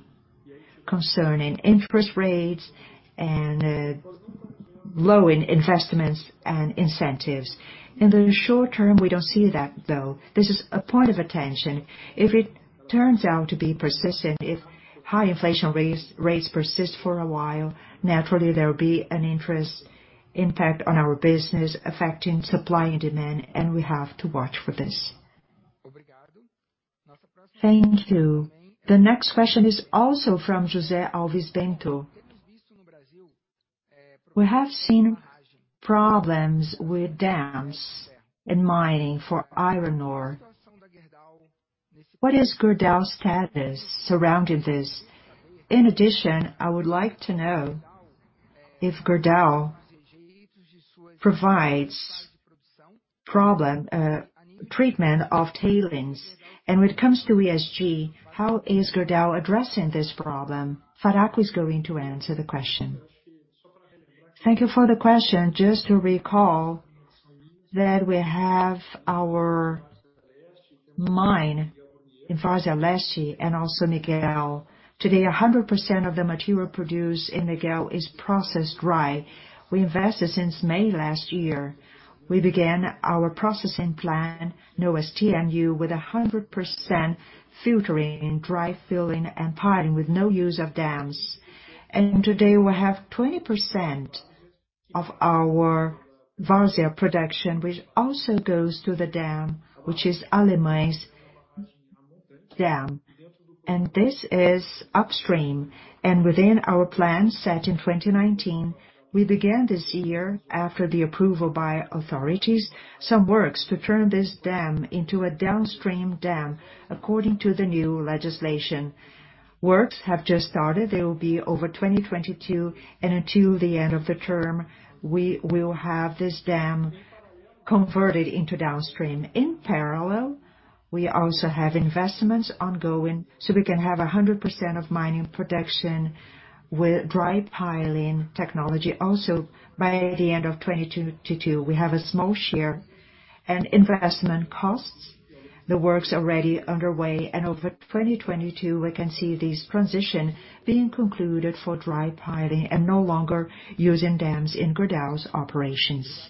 concerning interest rates and slowdown in investments and incentives. In the short term, we don't see that, though. This is a point of attention. If it turns out to be persistent, if high inflation rates persist for a while, naturally, there will be an interest impact on our business affecting supply and demand, and we have to watch for this. Thank you. The next question is also from José Alves Bento. We have seen problems with dams in mining for iron ore. What is Gerdau's status surrounding this? In addition, I would like to know if Gerdau provides proper treatment of tailings. And when it comes to ESG, how is Gerdau addressing this problem? Faraco is going to answer the question. Thank you for the question. Just to recall that we have our mine in Vargem Grande and also Miguel. Today, 100% of the material produced in Miguel is processed dry. We invested since May last year. We began our processing plan, known as TMU, with 100% filtering, dry filling, and piling with no use of dams. Today, we have 20% of our Vargem production, which also goes to the dam, which is Alemães Dam. This is upstream. Within our plan set in 2019, we began this year, after the approval by authorities, some works to turn this dam into a downstream dam, according to the new legislation. Works have just started. They will be over 2022, and until the end of the term, we will have this dam converted into downstream. In parallel, we also have investments ongoing, so we can have 100% of mining production with dry piling technology also by the end of 2022. We have a small share and investment costs. The work's already underway, and over 2022, we can see this transition being concluded for dry piling and no longer using dams in Gerdau's operations.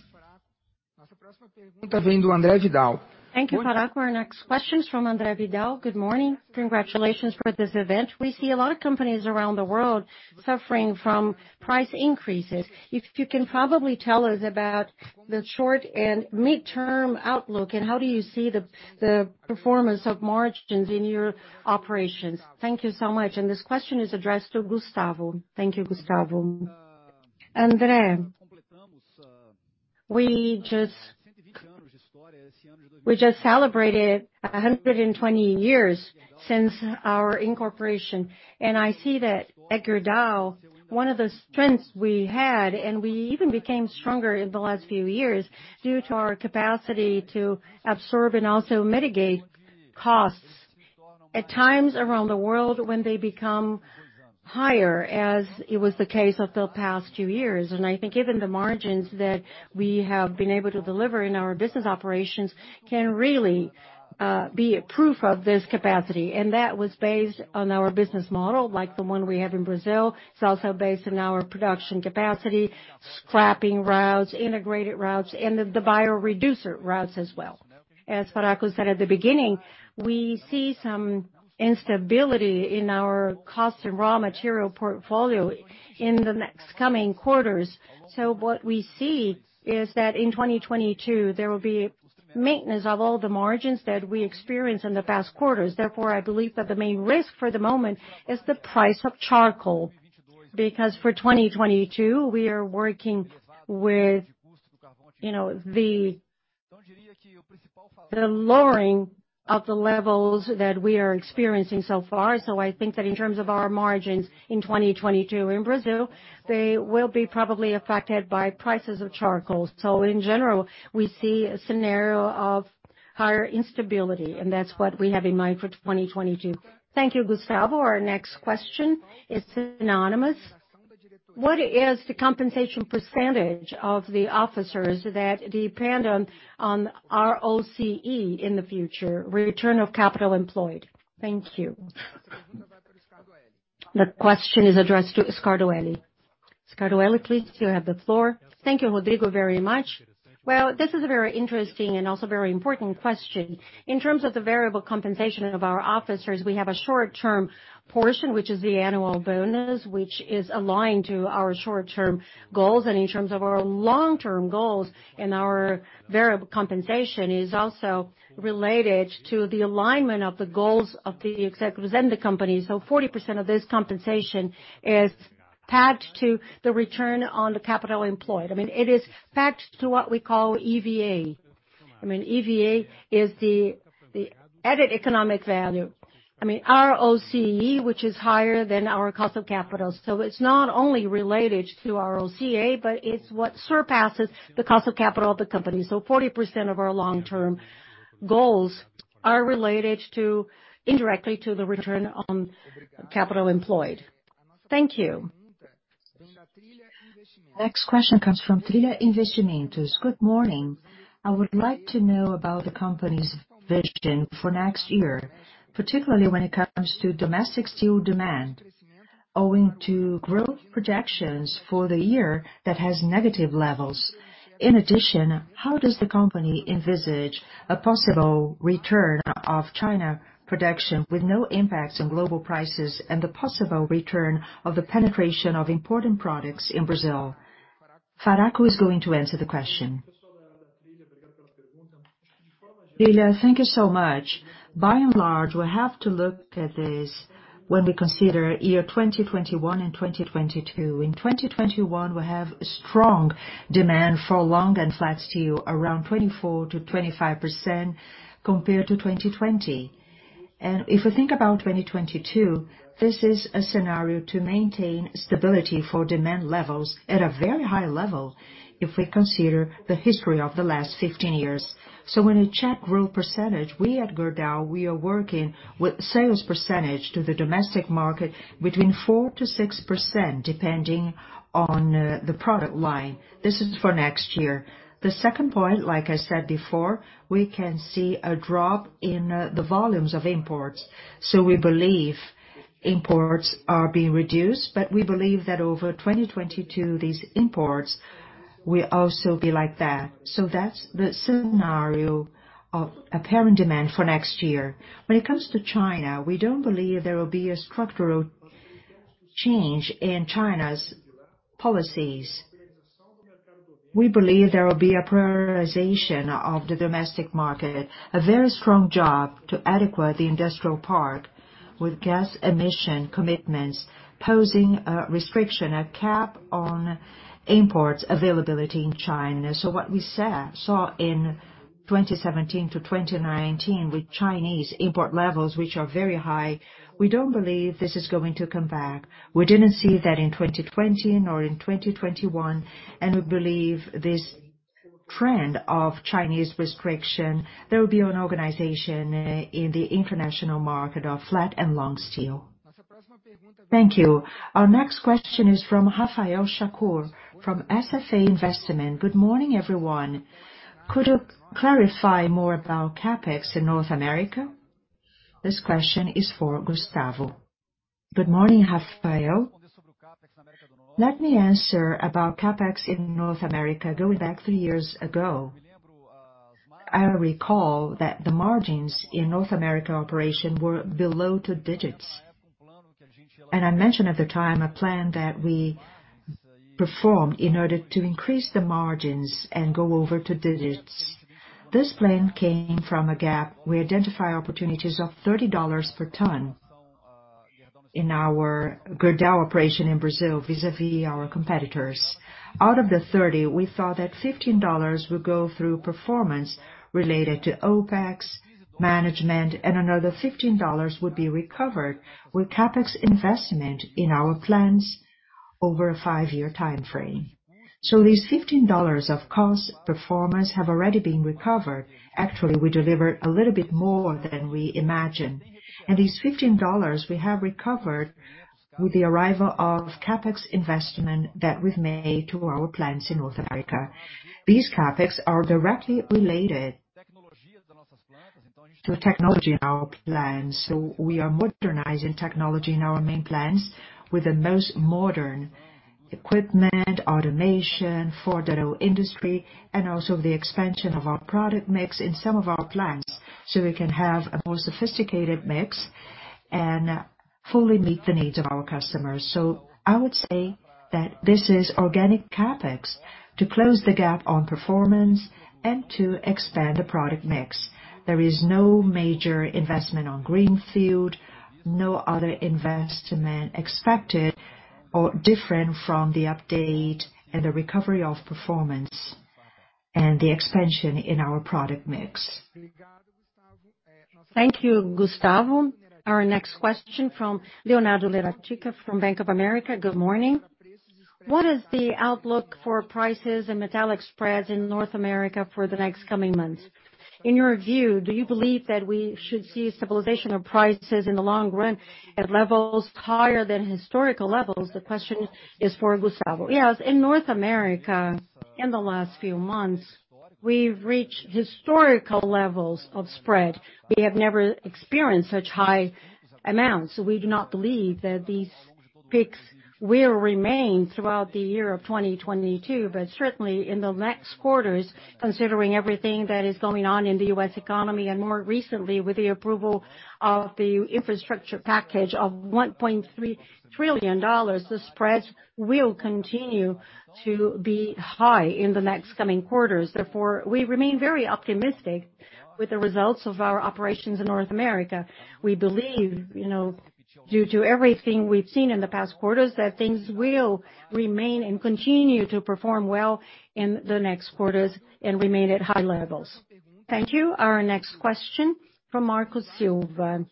Thank you, Faraco. Our next question is from André Vidal. Good morning. Congratulations for this event. We see a lot of companies around the world suffering from price increases. If you can probably tell us about the short- and mid-term outlook, and how do you see the performance of margins in your operations? Thank you so much. This question is addressed to Gustavo. Thank you, Gustavo. André, we just celebrated 120 years since our incorporation. I see that at Gerdau, one of the strengths we had, and we even became stronger in the last few years, due to our capacity to absorb and also mitigate costs at times around the world when they become higher, as it was the case of the past few years. I think even the margins that we have been able to deliver in our business operations can really be a proof of this capacity. That was based on our business model, like the one we have in Brazil. It's also based on our production capacity, scrapping routes, integrated routes, and the Bioreducer routes as well. As Faraco said at the beginning, we see some instability in our cost and raw material portfolio in the next coming quarters. What we see is that in 2022, there will be maintenance of all the margins that we experienced in the past quarters. Therefore, I believe that the main risk for the moment is the price of charcoal. Because for 2022, we are working with, you know, the lowering of the levels that we are experiencing so far. I think that in terms of our margins in 2022 in Brazil, they will be probably affected by prices of charcoal. In general, we see a scenario of higher instability, and that's what we have in mind for 2022. Thank you, Gustavo. Our next question is anonymous. What is the compensation percentage of the officers that depend on ROCE in the future, return of capital employed? Thank you. The question is addressed to Scardoelli. Scardoelli, please, you have the floor. Thank you, Rodrigo, very much. Well, this is a very interesting and also very important question. In terms of the variable compensation of our officers, we have a short-term portion, which is the annual bonus, which is aligned to our short-term goals. In terms of our long-term goals and our variable compensation is also related to the alignment of the goals of the executives and the company. 40% of this compensation is pegged to the return on the capital employed. I mean, it is pegged to what we call EVA. I mean, EVA is the economic value. I mean, ROCE, which is higher than our cost of capital. It's not only related to ROCE, but it's what surpasses the cost of capital of the company. 40% of our long-term goals are related to, indirectly to the return on capital employed. Thank you. Next question comes from Trilha Investimentos. Good morning. I would like to know about the company's vision for next year, particularly when it comes to domestic steel demand, owing to growth projections for the year that has negative levels. In addition, how does the company envisage a possible return of China production with no impacts on global prices and the possible return of the penetration of important products in Brazil? Faraco is going to answer the question. Trilha, thank you so much. By and large, we have to look at this when we consider year 2021 and 2022. In 2021, we have strong demand for long and flat steel, around 24%-25% compared to 2020. If we think about 2022, this is a scenario to maintain stability for demand levels at a very high level if we consider the history of the last 15 years. When we check growth percentage, we at Gerdau, we are working with sales percentage to the domestic market between 4%-6%, depending on the product line. This is for next year. The second point, like I said before, we can see a drop in the volumes of imports. We believe imports are being reduced, but we believe that over 2022, these imports will also be like that. That's the scenario of apparent demand for next year. When it comes to China, we don't believe there will be a structural change in China's policies. We believe there will be a prioritization of the domestic market, a very strong job to adequate the industrial park with gas emission commitments, posing a restriction, a cap on imports availability in China. What we saw in 2017-2019 with Chinese import levels, which are very high, we don't believe this is going to come back. We didn't see that in 2020 nor in 2021, and we believe this trend of Chinese restriction, there will be an organization in the international market of flat and long steel. Thank you. Our next question is from Rafael Japur from Safra. Good morning, everyone. Could you clarify more about CapEx in North America? This question is for Gustavo. Good morning, Rafael. Let me answer about CapEx in North America. Going back three years ago, I recall that the margins in North America operation were below two digits. I mentioned at the time a plan that we performed in order to increase the margins and go over two digits. This plan came from a gap. We identify opportunities of $30 per ton in our Gerdau operation in Brazil vis-à-vis our competitors. Out of the 30, we thought that $15 would go through performance related to OpEx management, and another $15 would be recovered with CapEx investment in our plants over a five-year timeframe. These $15 of cost performance have already been recovered. Actually, we delivered a little bit more than we imagined. These $15 we have recovered with the arrival of CapEx investment that we've made to our plants in North America. These CapEx are directly related to technology in our plants. We are modernizing technology in our main plants with the most modern equipment, automation for the industry, and also the expansion of our product mix in some of our plants, so we can have a more sophisticated mix and fully meet the needs of our customers. I would say that this is organic CapEx to close the gap on performance and to expand the product mix. There is no major investment on greenfield, no other investment expected or different from the update and the recovery of performance and the expansion in our product mix. Thank you, Gustavo. Our next question from Leonardo Correa from Bank of America. Good morning. What is the outlook for prices and metallic spreads in North America for the next coming months? In your view, do you believe that we should see stabilization of prices in the long run at levels higher than historical levels? The question is for Gustavo. Yes. In North America, in the last few months, we've reached historical levels of spread. We have never experienced such high amounts. We do not believe that these peaks will remain throughout the year of 2022. Certainly in the next quarters, considering everything that is going on in the U.S. economy and more recently with the approval of the infrastructure package of $1.3 trillion, the spreads will continue to be high in the next coming quarters. Therefore, we remain very optimistic with the results of our operations in North America. We believe, you know, due to everything we've seen in the past quarters, that things will remain and continue to perform well in the next quarters and remain at high levels. Thank you. Our next question from Marcus Silva.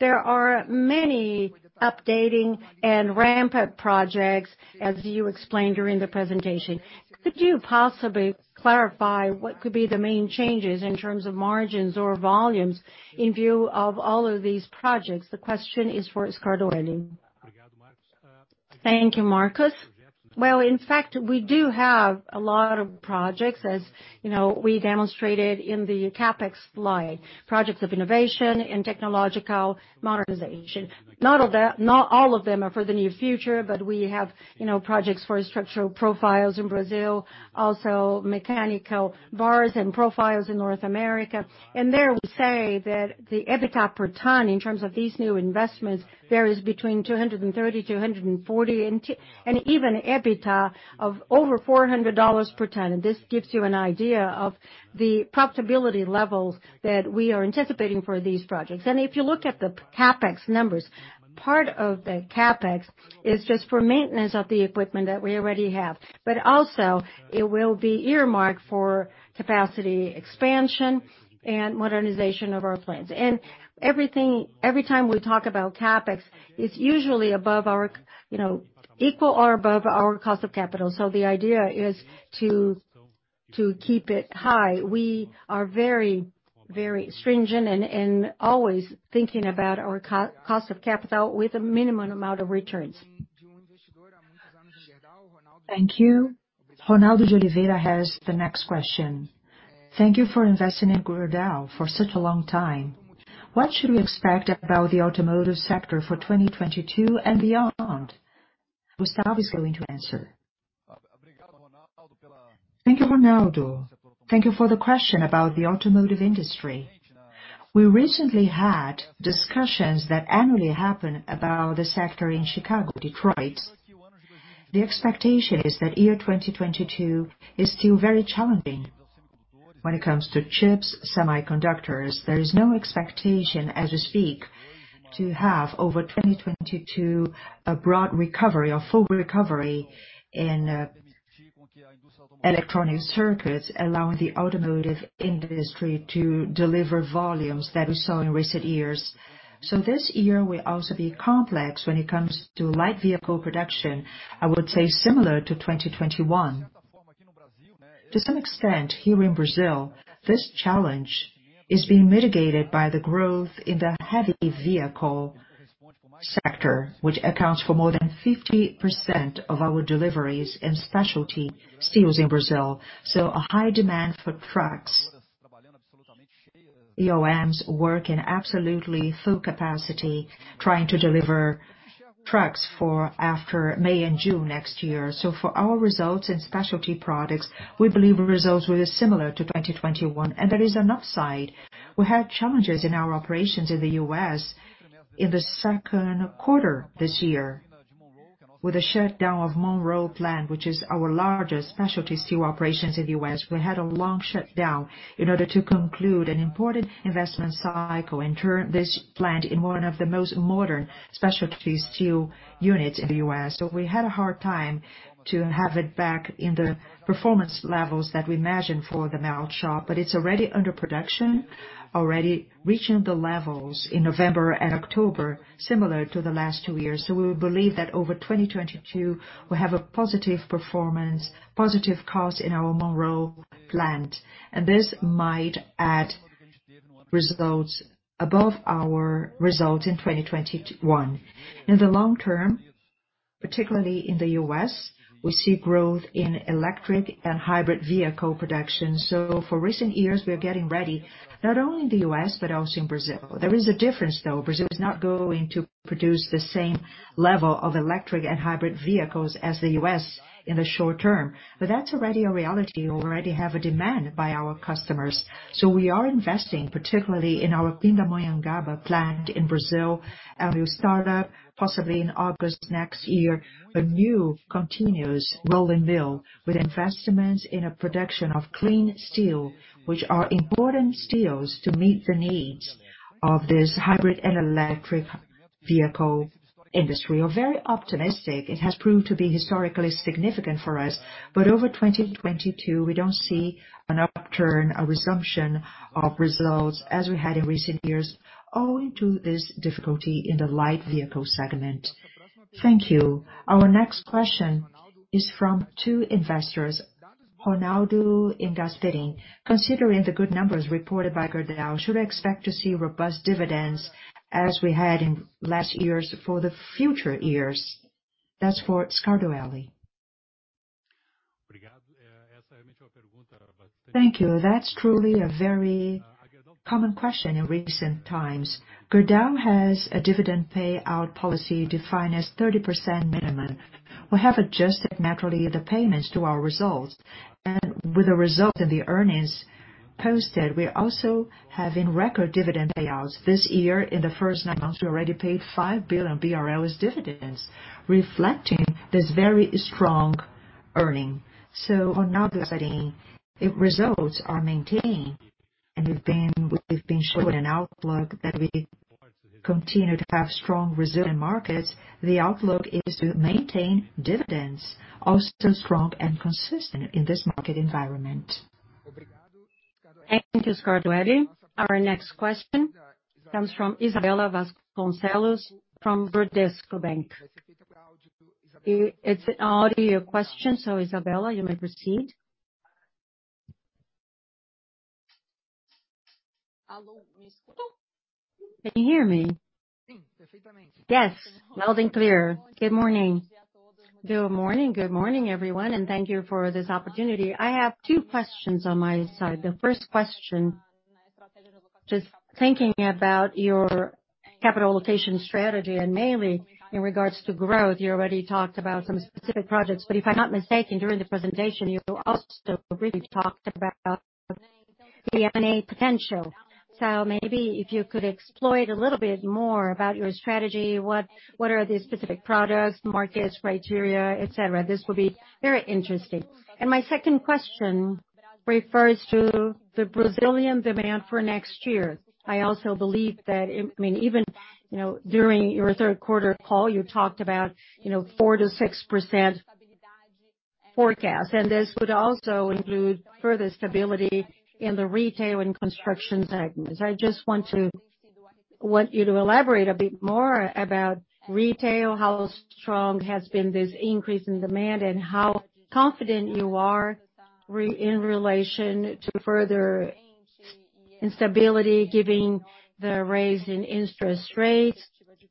There are many updating and ramp-up projects as you explained during the presentation. Could you possibly clarify what could be the main changes in terms of margins or volumes in view of all of these projects? The question is for Scardoelli. Thank you, Marcus. Well, in fact, we do have a lot of projects, as, you know, we demonstrated in the CapEx slide, projects of innovation and technological modernization. Not all of them are for the near future, but we have, you know, projects for structural profiles in Brazil, also mechanical bars and profiles in North America. There we say that the EBITDA per ton in terms of these new investments, there is between 230 to 140, and even EBITDA of over $400 per ton. This gives you an idea of the profitability levels that we are anticipating for these projects. If you look at the CapEx numbers, part of the CapEx is just for maintenance of the equipment that we already have. Also it will be earmarked for capacity expansion and modernization of our plants. Every time we talk about CapEx, it's usually above our, you know, equal or above our cost of capital. The idea is to keep it high. We are very stringent and always thinking about our cost of capital with a minimum amount of returns. Thank you. Ronaldo Oliveira has the next question. Thank you for investing in Gerdau for such a long time. What should we expect about the automotive sector for 2022 and beyond? Gustavo is going to answer. Thank you, Ronaldo. Thank you for the question about the automotive industry. We recently had discussions that annually happen about the sector in Chicago, Detroit. The expectation is that year 2022 is still very challenging when it comes to chips, semiconductors. There is no expectation as we speak to have over 2022 a broad recovery or full recovery in electronic circuits, allowing the automotive industry to deliver volumes that we saw in recent years. This year will also be complex when it comes to light vehicle production, I would say similar to 2021. To some extent, here in Brazil, this challenge is being mitigated by the growth in the heavy vehicle sector, which accounts for more than 50% of our deliveries in specialty steels in Brazil. A high demand for trucks. OEMs work in absolutely full capacity trying to deliver trucks for after May and June next year. For our results in specialty products, we believe the results will be similar to 2021, and there is an upside. We had challenges in our operations in the U.S. in the second quarter this year. With the shutdown of Monroe plant, which is our largest specialty steel operations in the U.S., we had a long shutdown in order to conclude an important investment cycle and turn this plant in one of the most modern specialty steel units in the U.S. We had a hard time to have it back in the performance levels that we imagined for the melt shop. It's already under production, already reaching the levels in November and October, similar to the last two years. We believe that over 2022, we'll have a positive performance, positive cost in our Monroe plant. This might add results above our result in 2021. In the long term, particularly in the U.S., we see growth in electric and hybrid vehicle production. For recent years, we are getting ready, not only in the U.S., but also in Brazil. There is a difference, though. Brazil is not going to produce the same level of electric and hybrid vehicles as the U.S. in the short term. That's already a reality. We already have a demand by our customers. We are investing, particularly in our Pindamonhangaba plant in Brazil. We'll start up possibly in August next year, a new continuous rolling mill with investments in a production of clean steel, which are important steels to meet the needs of this hybrid and electric vehicle industry. We're very optimistic. It has proved to be historically significant for us. Over 2022, we don't see an upturn, a resumption of results as we had in recent years, owing to this difficulty in the light vehicle segment. Thank you. Our next question is from two investors, Ronaldo and Gasperini. Considering the good numbers reported by Gerdau, should I expect to see robust dividends as we had in last years for the future years? That's for Scardoelli. Thank you. That's truly a very common question in recent times. Gerdau has a dividend payout policy defined as 30% minimum. We have adjusted naturally the payments to our results. With the result in the earnings posted, we're also having record dividend payouts. This year, in the first nine months, we already paid 5 billion BRL as dividends, reflecting this very strong earning. Ronaldo and Gasperini, if results are maintained, and we've been showing an outlook that we. Continue to have strong resilient markets. The outlook is to maintain dividends also strong and consistent in this market environment. Thank you, Scardoelli. Our next question comes from Isabella Vasconcelos from Bradesco BBI. It's an audio question, so Isabella, you may proceed. Hello. Can you hear me? Yes. Loud and clear. Good morning. Good morning. Good morning, everyone, and thank you for this opportunity. I have two questions on my side. The first question, just thinking about your capital allocation strategy, and mainly in regards to growth. You already talked about some specific projects, but if I'm not mistaken, during the presentation, you also briefly talked about the M&A potential. Maybe if you could explore it a little bit more about your strategy, what are the specific products, markets, criteria, et cetera. This would be very interesting. My second question refers to the Brazilian demand for next year. I also believe that, I mean, even, you know, during your third quarter call, you talked about, you know, 4%-6% forecast. This would also include further stability in the retail and construction segments. I just want you to elaborate a bit more about retail, how strong has been this increase in demand, and how confident you are in relation to further instability, given the raise in interest rates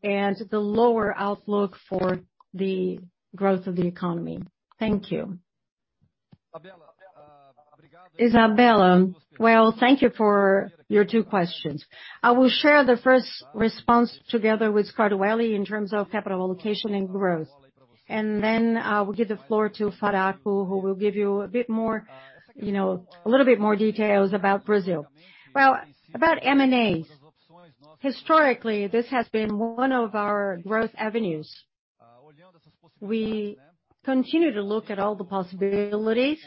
and the lower outlook for the growth of the economy. Thank you. Isabella, well, thank you for your two questions. I will share the first response together with Scardoelli in terms of capital allocation and growth. Then we'll give the floor to Faraco, who will give you a bit more, you know, a little bit more details about Brazil. Well, about M&As. Historically, this has been one of our growth avenues. We continue to look at all the possibilities,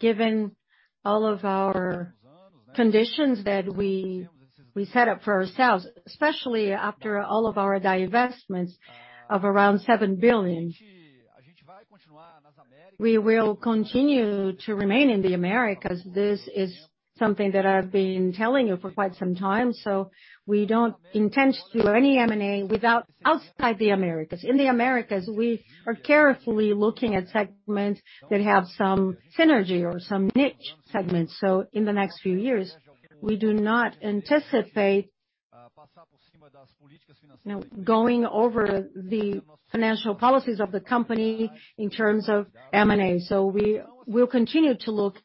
given all of our conditions that we set up for ourselves, especially after all of our divestments of around 7 billion. We will continue to remain in the Americas. This is something that I've been telling you for quite some time. We don't intend to do any M&A outside the Americas. In the Americas, we are carefully looking at segments that have some synergy or some niche segments. In the next few years, we do not anticipate, you know, going over the financial policies of the company in terms of M&A. We will continue to look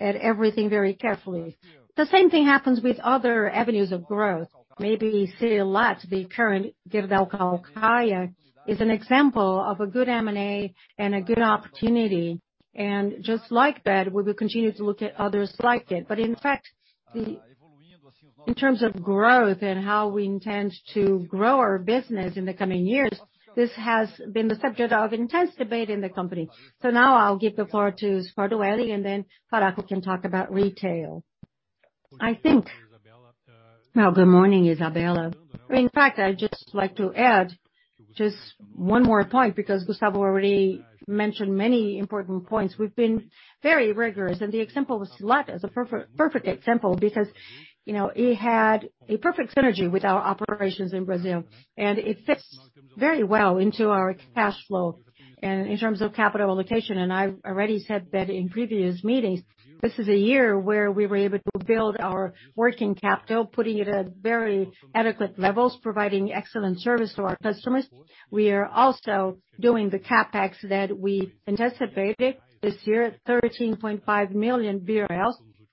at everything very carefully. The same thing happens with other avenues of growth. Maybe Silat, the current Gerdau Caucaia, is an example of a good M&A and a good opportunity. Just like that, we will continue to look at others like it. In fact, in terms of growth and how we intend to grow our business in the coming years, this has been the subject of intense debate in the company. Now I'll give the floor to Scardoelli, and then Faraco can talk about retail. I think. Well, good morning, Isabella. In fact, I'd just like to add just one more point, because Gustavo already mentioned many important points. We've been very rigorous, and the example of Silat is a perfect example because, you know, it had a perfect synergy with our operations in Brazil, and it fits very well into our cash flow. In terms of capital allocation, and I've already said that in previous meetings, this is a year where we were able to build our working capital, putting it at very adequate levels, providing excellent service to our customers. We are also doing the CapEx that we anticipated this year, 13.5 million,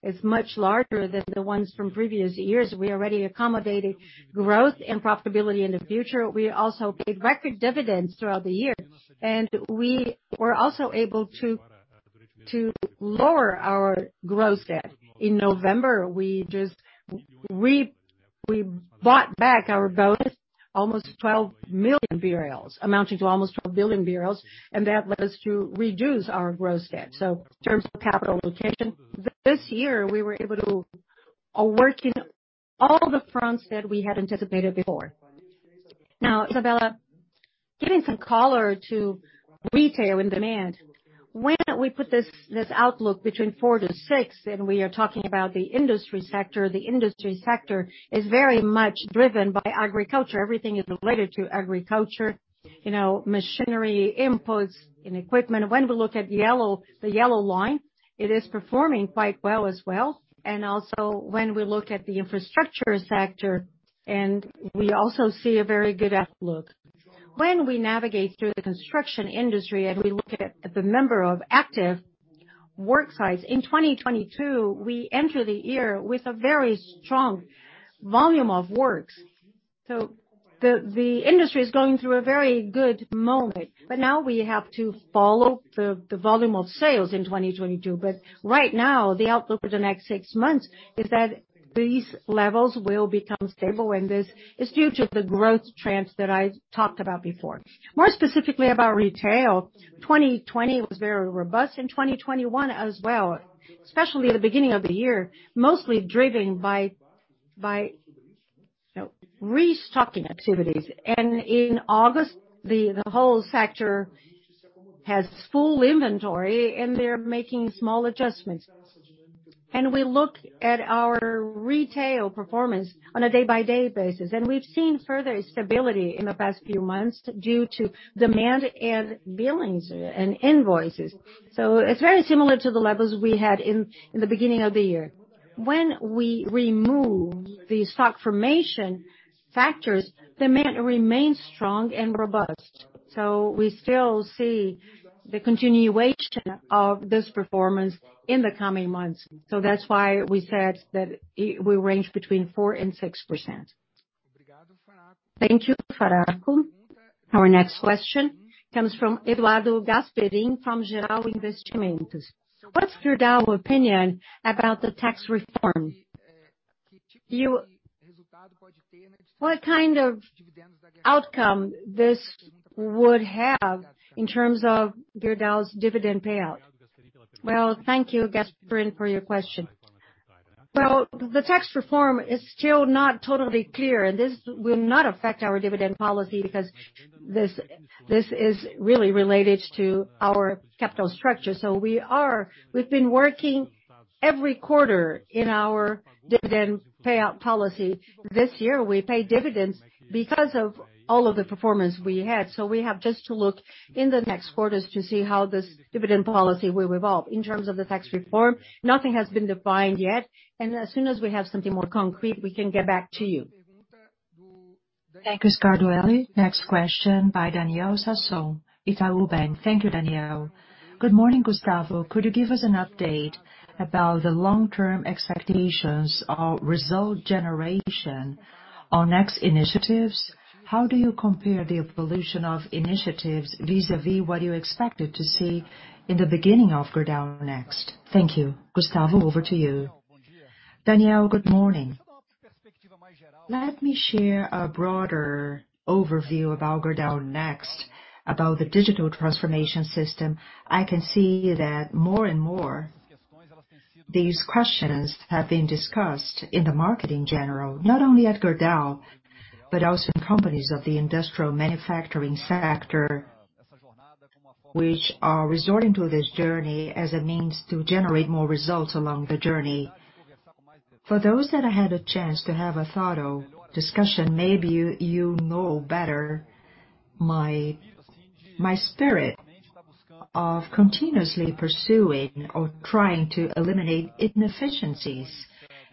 is much larger than the ones from previous years. We already accommodated growth and profitability in the future. We also paid record dividends throughout the year, and we were also able to lower our gross debt. In November, we bought back our bonds almost 12 million BRL, amounting to almost 12 billion BRL, and that led us to reduce our gross debt. In terms of capital allocation, this year, we were able to work in all the fronts that we had anticipated before. Now, Isabella, giving some color to retail and demand. When we put this outlook between 4%-6%, we are talking about the industry sector. The industry sector is very much driven by agriculture. Everything is related to agriculture. You know, machinery imports and equipment. When we look at the yellow line, it is performing quite well as well. When we look at the infrastructure sector, we also see a very good outlook. When we navigate through the construction industry and we look at the number of active work sites, in 2022, we enter the year with a very strong volume of works. The industry is going through a very good moment, but now we have to follow the volume of sales in 2022. Right now, the outlook for the next six months is that these levels will become stable, and this is due to the growth trends that I talked about before. More specifically about retail, 2020 was very robust and 2021 as well, especially the beginning of the year, mostly driven by restocking activities. In August, the whole sector has full inventory and they're making small adjustments. We look at our retail performance on a day-by-day basis, and we've seen further stability in the past few months due to demand and billings and invoices. It's very similar to the levels we had in the beginning of the year. When we remove the stock formation factors, demand remains strong and robust. We still see the continuation of this performance in the coming months. That's why we said that we range between 4% and 6%. Thank you, Faraco. Our next question comes from Eduardo Gasperim from Genial Investimentos. What's Gerdau's opinion about the tax reform? What kind of outcome would this have in terms of Gerdau's dividend payout? Well, thank you, Gasperim, for your question. Well, the tax reform is still not totally clear. This will not affect our dividend policy because this is really related to our capital structure. We've been working every quarter in our dividend payout policy. This year, we paid dividends because of all of the performance we had. We have just to look in the next quarters to see how this dividend policy will evolve. In terms of the tax reform, nothing has been defined yet. As soon as we have something more concrete, we can get back to you. Thank you, Scardoelli. Next question by Daniel Sasson, Itaú BBA. Thank you, Daniel. Good morning, Gustavo. Could you give us an update about the long-term expectations of result generation on Next initiatives? How do you compare the evolution of initiatives vis-à-vis what you expected to see in the beginning of Gerdau Next? Thank you. Gustavo, over to you. Daniel, good morning. Let me share a broader overview about Gerdau Next, about the digital transformation system. I can see that more and more these questions have been discussed in the market in general, not only at Gerdau, but also in companies of the industrial manufacturing sector, which are resorting to this journey as a means to generate more results along the journey. For those that I had a chance to have a thorough discussion, maybe you know better my spirit of continuously pursuing or trying to eliminate inefficiencies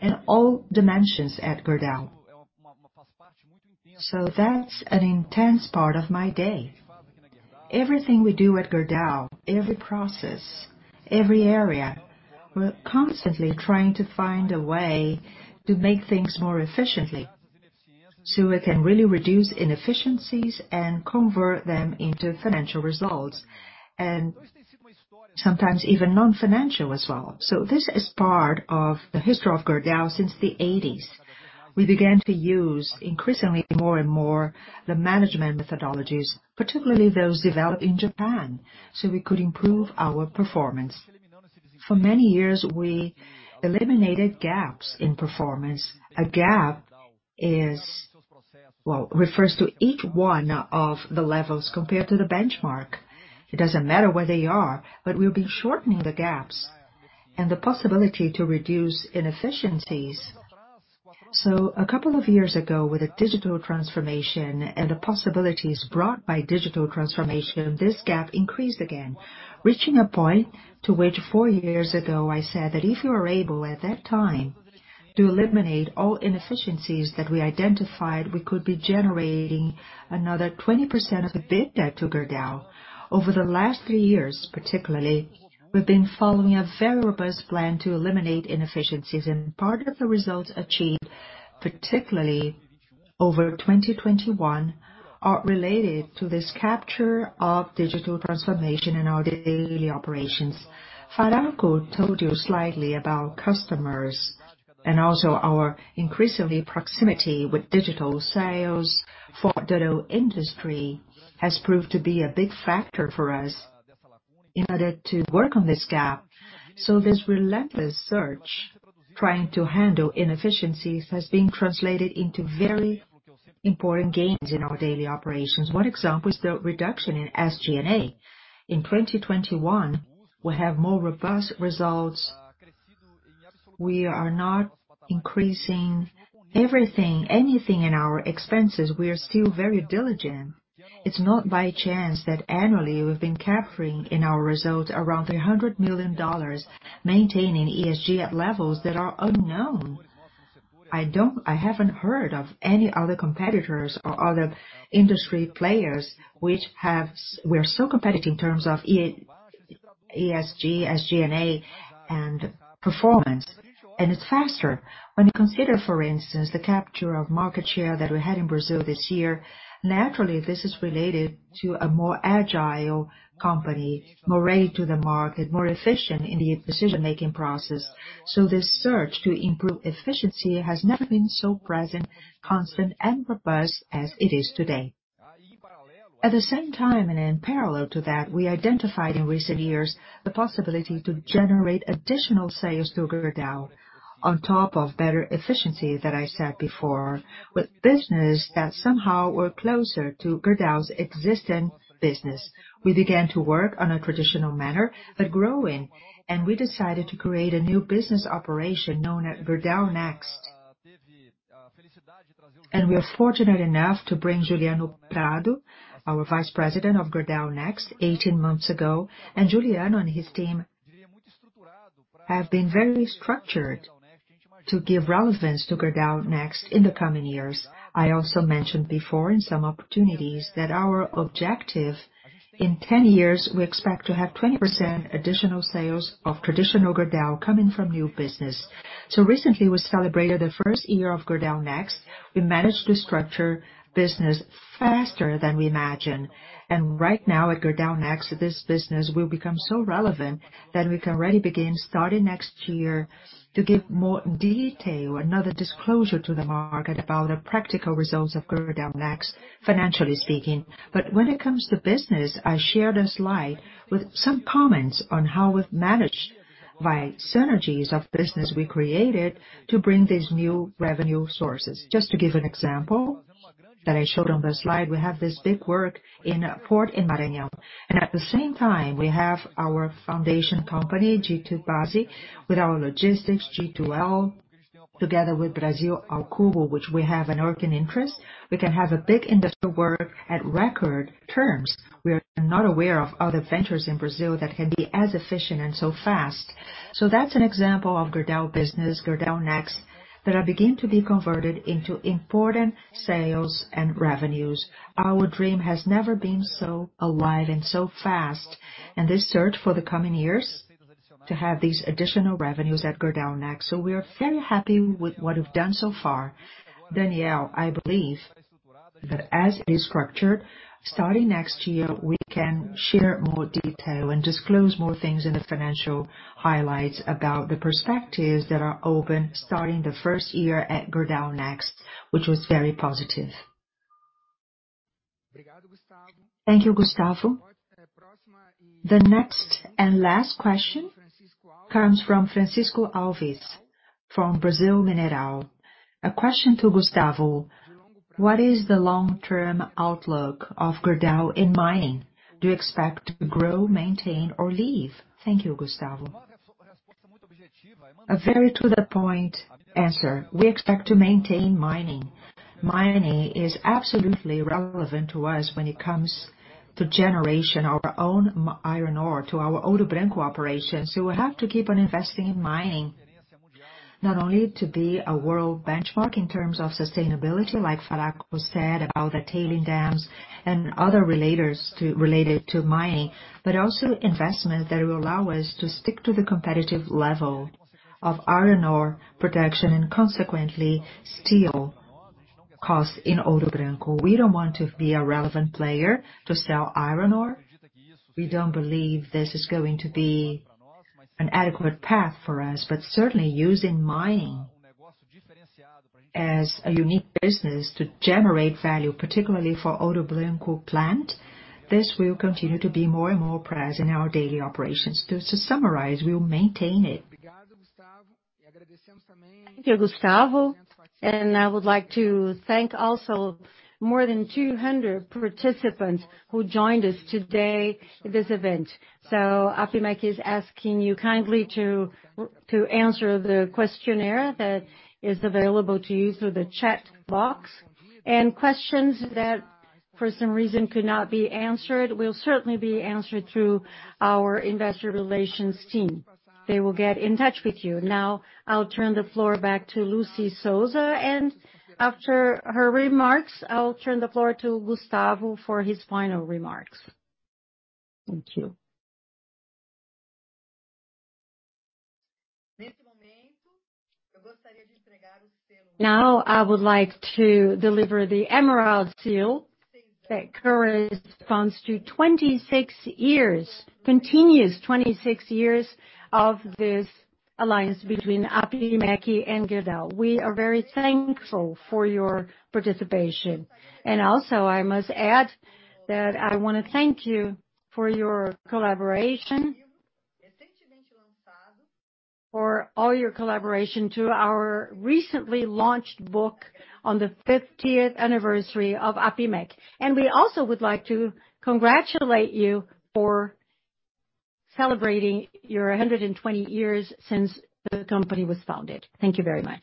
in all dimensions at Gerdau. That's an intense part of my day. Everything we do at Gerdau, every process, every area, we're constantly trying to find a way to make things more efficiently, so we can really reduce inefficiencies and convert them into financial results and sometimes even non-financial as well. This is part of the history of Gerdau since the 1980s. We began to use increasingly more and more the management methodologies, particularly those developed in Japan, so we could improve our performance. For many years, we eliminated gaps in performance. A gap refers to each one of the levels compared to the benchmark. It doesn't matter where they are, but we've been shortening the gaps and the possibility to reduce inefficiencies. A couple of years ago, with the digital transformation and the possibilities brought by digital transformation, this gap increased again, reaching a point to which four years ago, I said that if we were able at that time to eliminate all inefficiencies that we identified, we could be generating another 20% of EBITDA to Gerdau. Over the last three years, particularly, we've been following a very robust plan to eliminate inefficiencies, and part of the results achieved, particularly over 2021, are related to this capture of digital transformation in our daily operations. Faraco told you slightly about customers and also our increasingly proximity with digital sales for the auto industry has proved to be a big factor for us in order to work on this gap. This relentless search, trying to handle inefficiencies, has been translated into very important gains in our daily operations. One example is the reduction in SG&A. In 2021, we have more robust results. We are not increasing everything, anything in our expenses. We are still very diligent. It's not by chance that annually we've been capturing in our results around $300 million, maintaining ESG at levels that are unknown. I haven't heard of any other competitors or other industry players which have. We are so competitive in terms of ESG, SG&A, and performance. It's faster. When you consider, for instance, the capture of market share that we had in Brazil this year, naturally, this is related to a more agile company, more ready to the market, more efficient in the decision-making process. This search to improve efficiency has never been so present, constant, and robust as it is today. At the same time, and in parallel to that, we identified in recent years the possibility to generate additional sales to Gerdau on top of better efficiency that I said before, with business that somehow were closer to Gerdau's existing business. We began to work on a traditional manner, but growing, and we decided to create a new business operation known as Gerdau Next. We are fortunate enough to bring Juliano Prado, our vice president of Gerdau Next, 18 months ago. Juliano and his team have been very structured to give relevance to Gerdau Next in the coming years. I also mentioned before in some opportunities that our objective, in 10 years, we expect to have 20% additional sales of traditional Gerdau coming from new business. Recently, we celebrated the first year of Gerdau Next. We managed to structure business faster than we imagined. Right now at Gerdau Next, this business will become so relevant that we can already begin starting next year to give more detail, another disclosure to the market about the practical results of Gerdau Next, financially speaking. When it comes to business, I share the slide with some comments on how we've managed by synergies of business we created to bring these new revenue sources. Just to give an example that I showed on the slide, we have this big work in a port in Maranhão. At the same time, we have our foundation company, G2Base, with our logistics, G2L, together with Brasil ao Cubo, which we have a working interest. We can have a big industrial work at record terms. We are not aware of other ventures in Brazil that can be as efficient and so fast. That's an example of Gerdau business, Gerdau Next, that are beginning to be converted into important sales and revenues. Our dream has never been so alive and so fast. This search for the coming years to have these additional revenues at Gerdau Next. We are very happy with what we've done so far. Daniel, I believe that as it is structured, starting next year, we can share more detail and disclose more things in the financial highlights about the perspectives that are open starting the first year at Gerdau Next, which was very positive. Thank you, Gustavo. The next and last question comes from Francisco Alves from Brasil Mineral. A question to Gustavo. What is the long-term outlook of Gerdau in mining? Do you expect to grow, maintain, or leave? Thank you, Gustavo. A very to-the-point answer. We expect to maintain mining. Mining is absolutely relevant to us when it comes to generating our own iron ore to our Ouro Branco operations. We have to keep on investing in mining, not only to be a world benchmark in terms of sustainability, like Faraco said about the tailings dams and other regulators related to mining, but also investment that will allow us to stick to the competitive level of iron ore production and consequently steel costs in Ouro Branco. We don't want to be a relevant player to sell iron ore. We don't believe this is going to be an adequate path for us. Certainly, using mining as a unique business to generate value, particularly for Ouro Branco plant, this will continue to be more and more present in our daily operations. To summarize, we'll maintain it. Thank you, Gustavo. I would like to thank also more than 200 participants who joined us today in this event. APIMEC is asking you kindly to answer the questionnaire that is available to you through the chat box. Questions that for some reason could not be answered will certainly be answered through our investor relations team. They will get in touch with you. Now I'll turn the floor back to Lucy Souza, and after her remarks, I'll turn the floor to Gustavo for his final remarks. Thank you. Now I would like to deliver the Emerald Seal that corresponds to 26 years, continuous 26 years of this alliance between APIMEC and Gerdau. We are very thankful for your participation. I must add that I wanna thank you for your collaboration. for all your collaboration to our recently launched book on the fiftieth anniversary of APIMEC. We also would like to congratulate you for celebrating your 120 years since the company was founded. Thank you very much.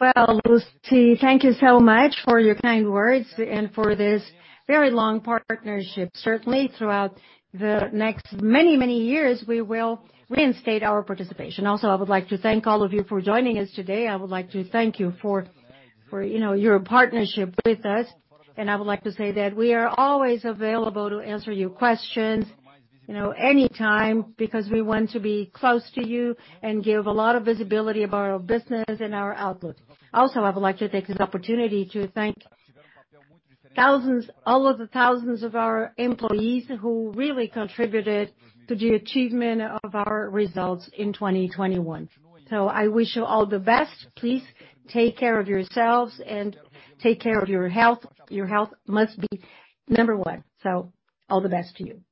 Well, Lucy, thank you so much for your kind words and for this very long partnership. Certainly, throughout the next many, many years, we will reinstate our participation. Also, I would like to thank all of you for joining us today. I would like to thank you for, you know, your partnership with us. I would like to say that we are always available to answer your questions, you know, anytime, because we want to be close to you and give a lot of visibility of our business and our outlook. Also, I would like to take this opportunity to thank all of the thousands of our employees who really contributed to the achievement of our results in 2021. I wish you all the best. Please take care of yourselves and take care of your health. Your health must be number one. All the best to you.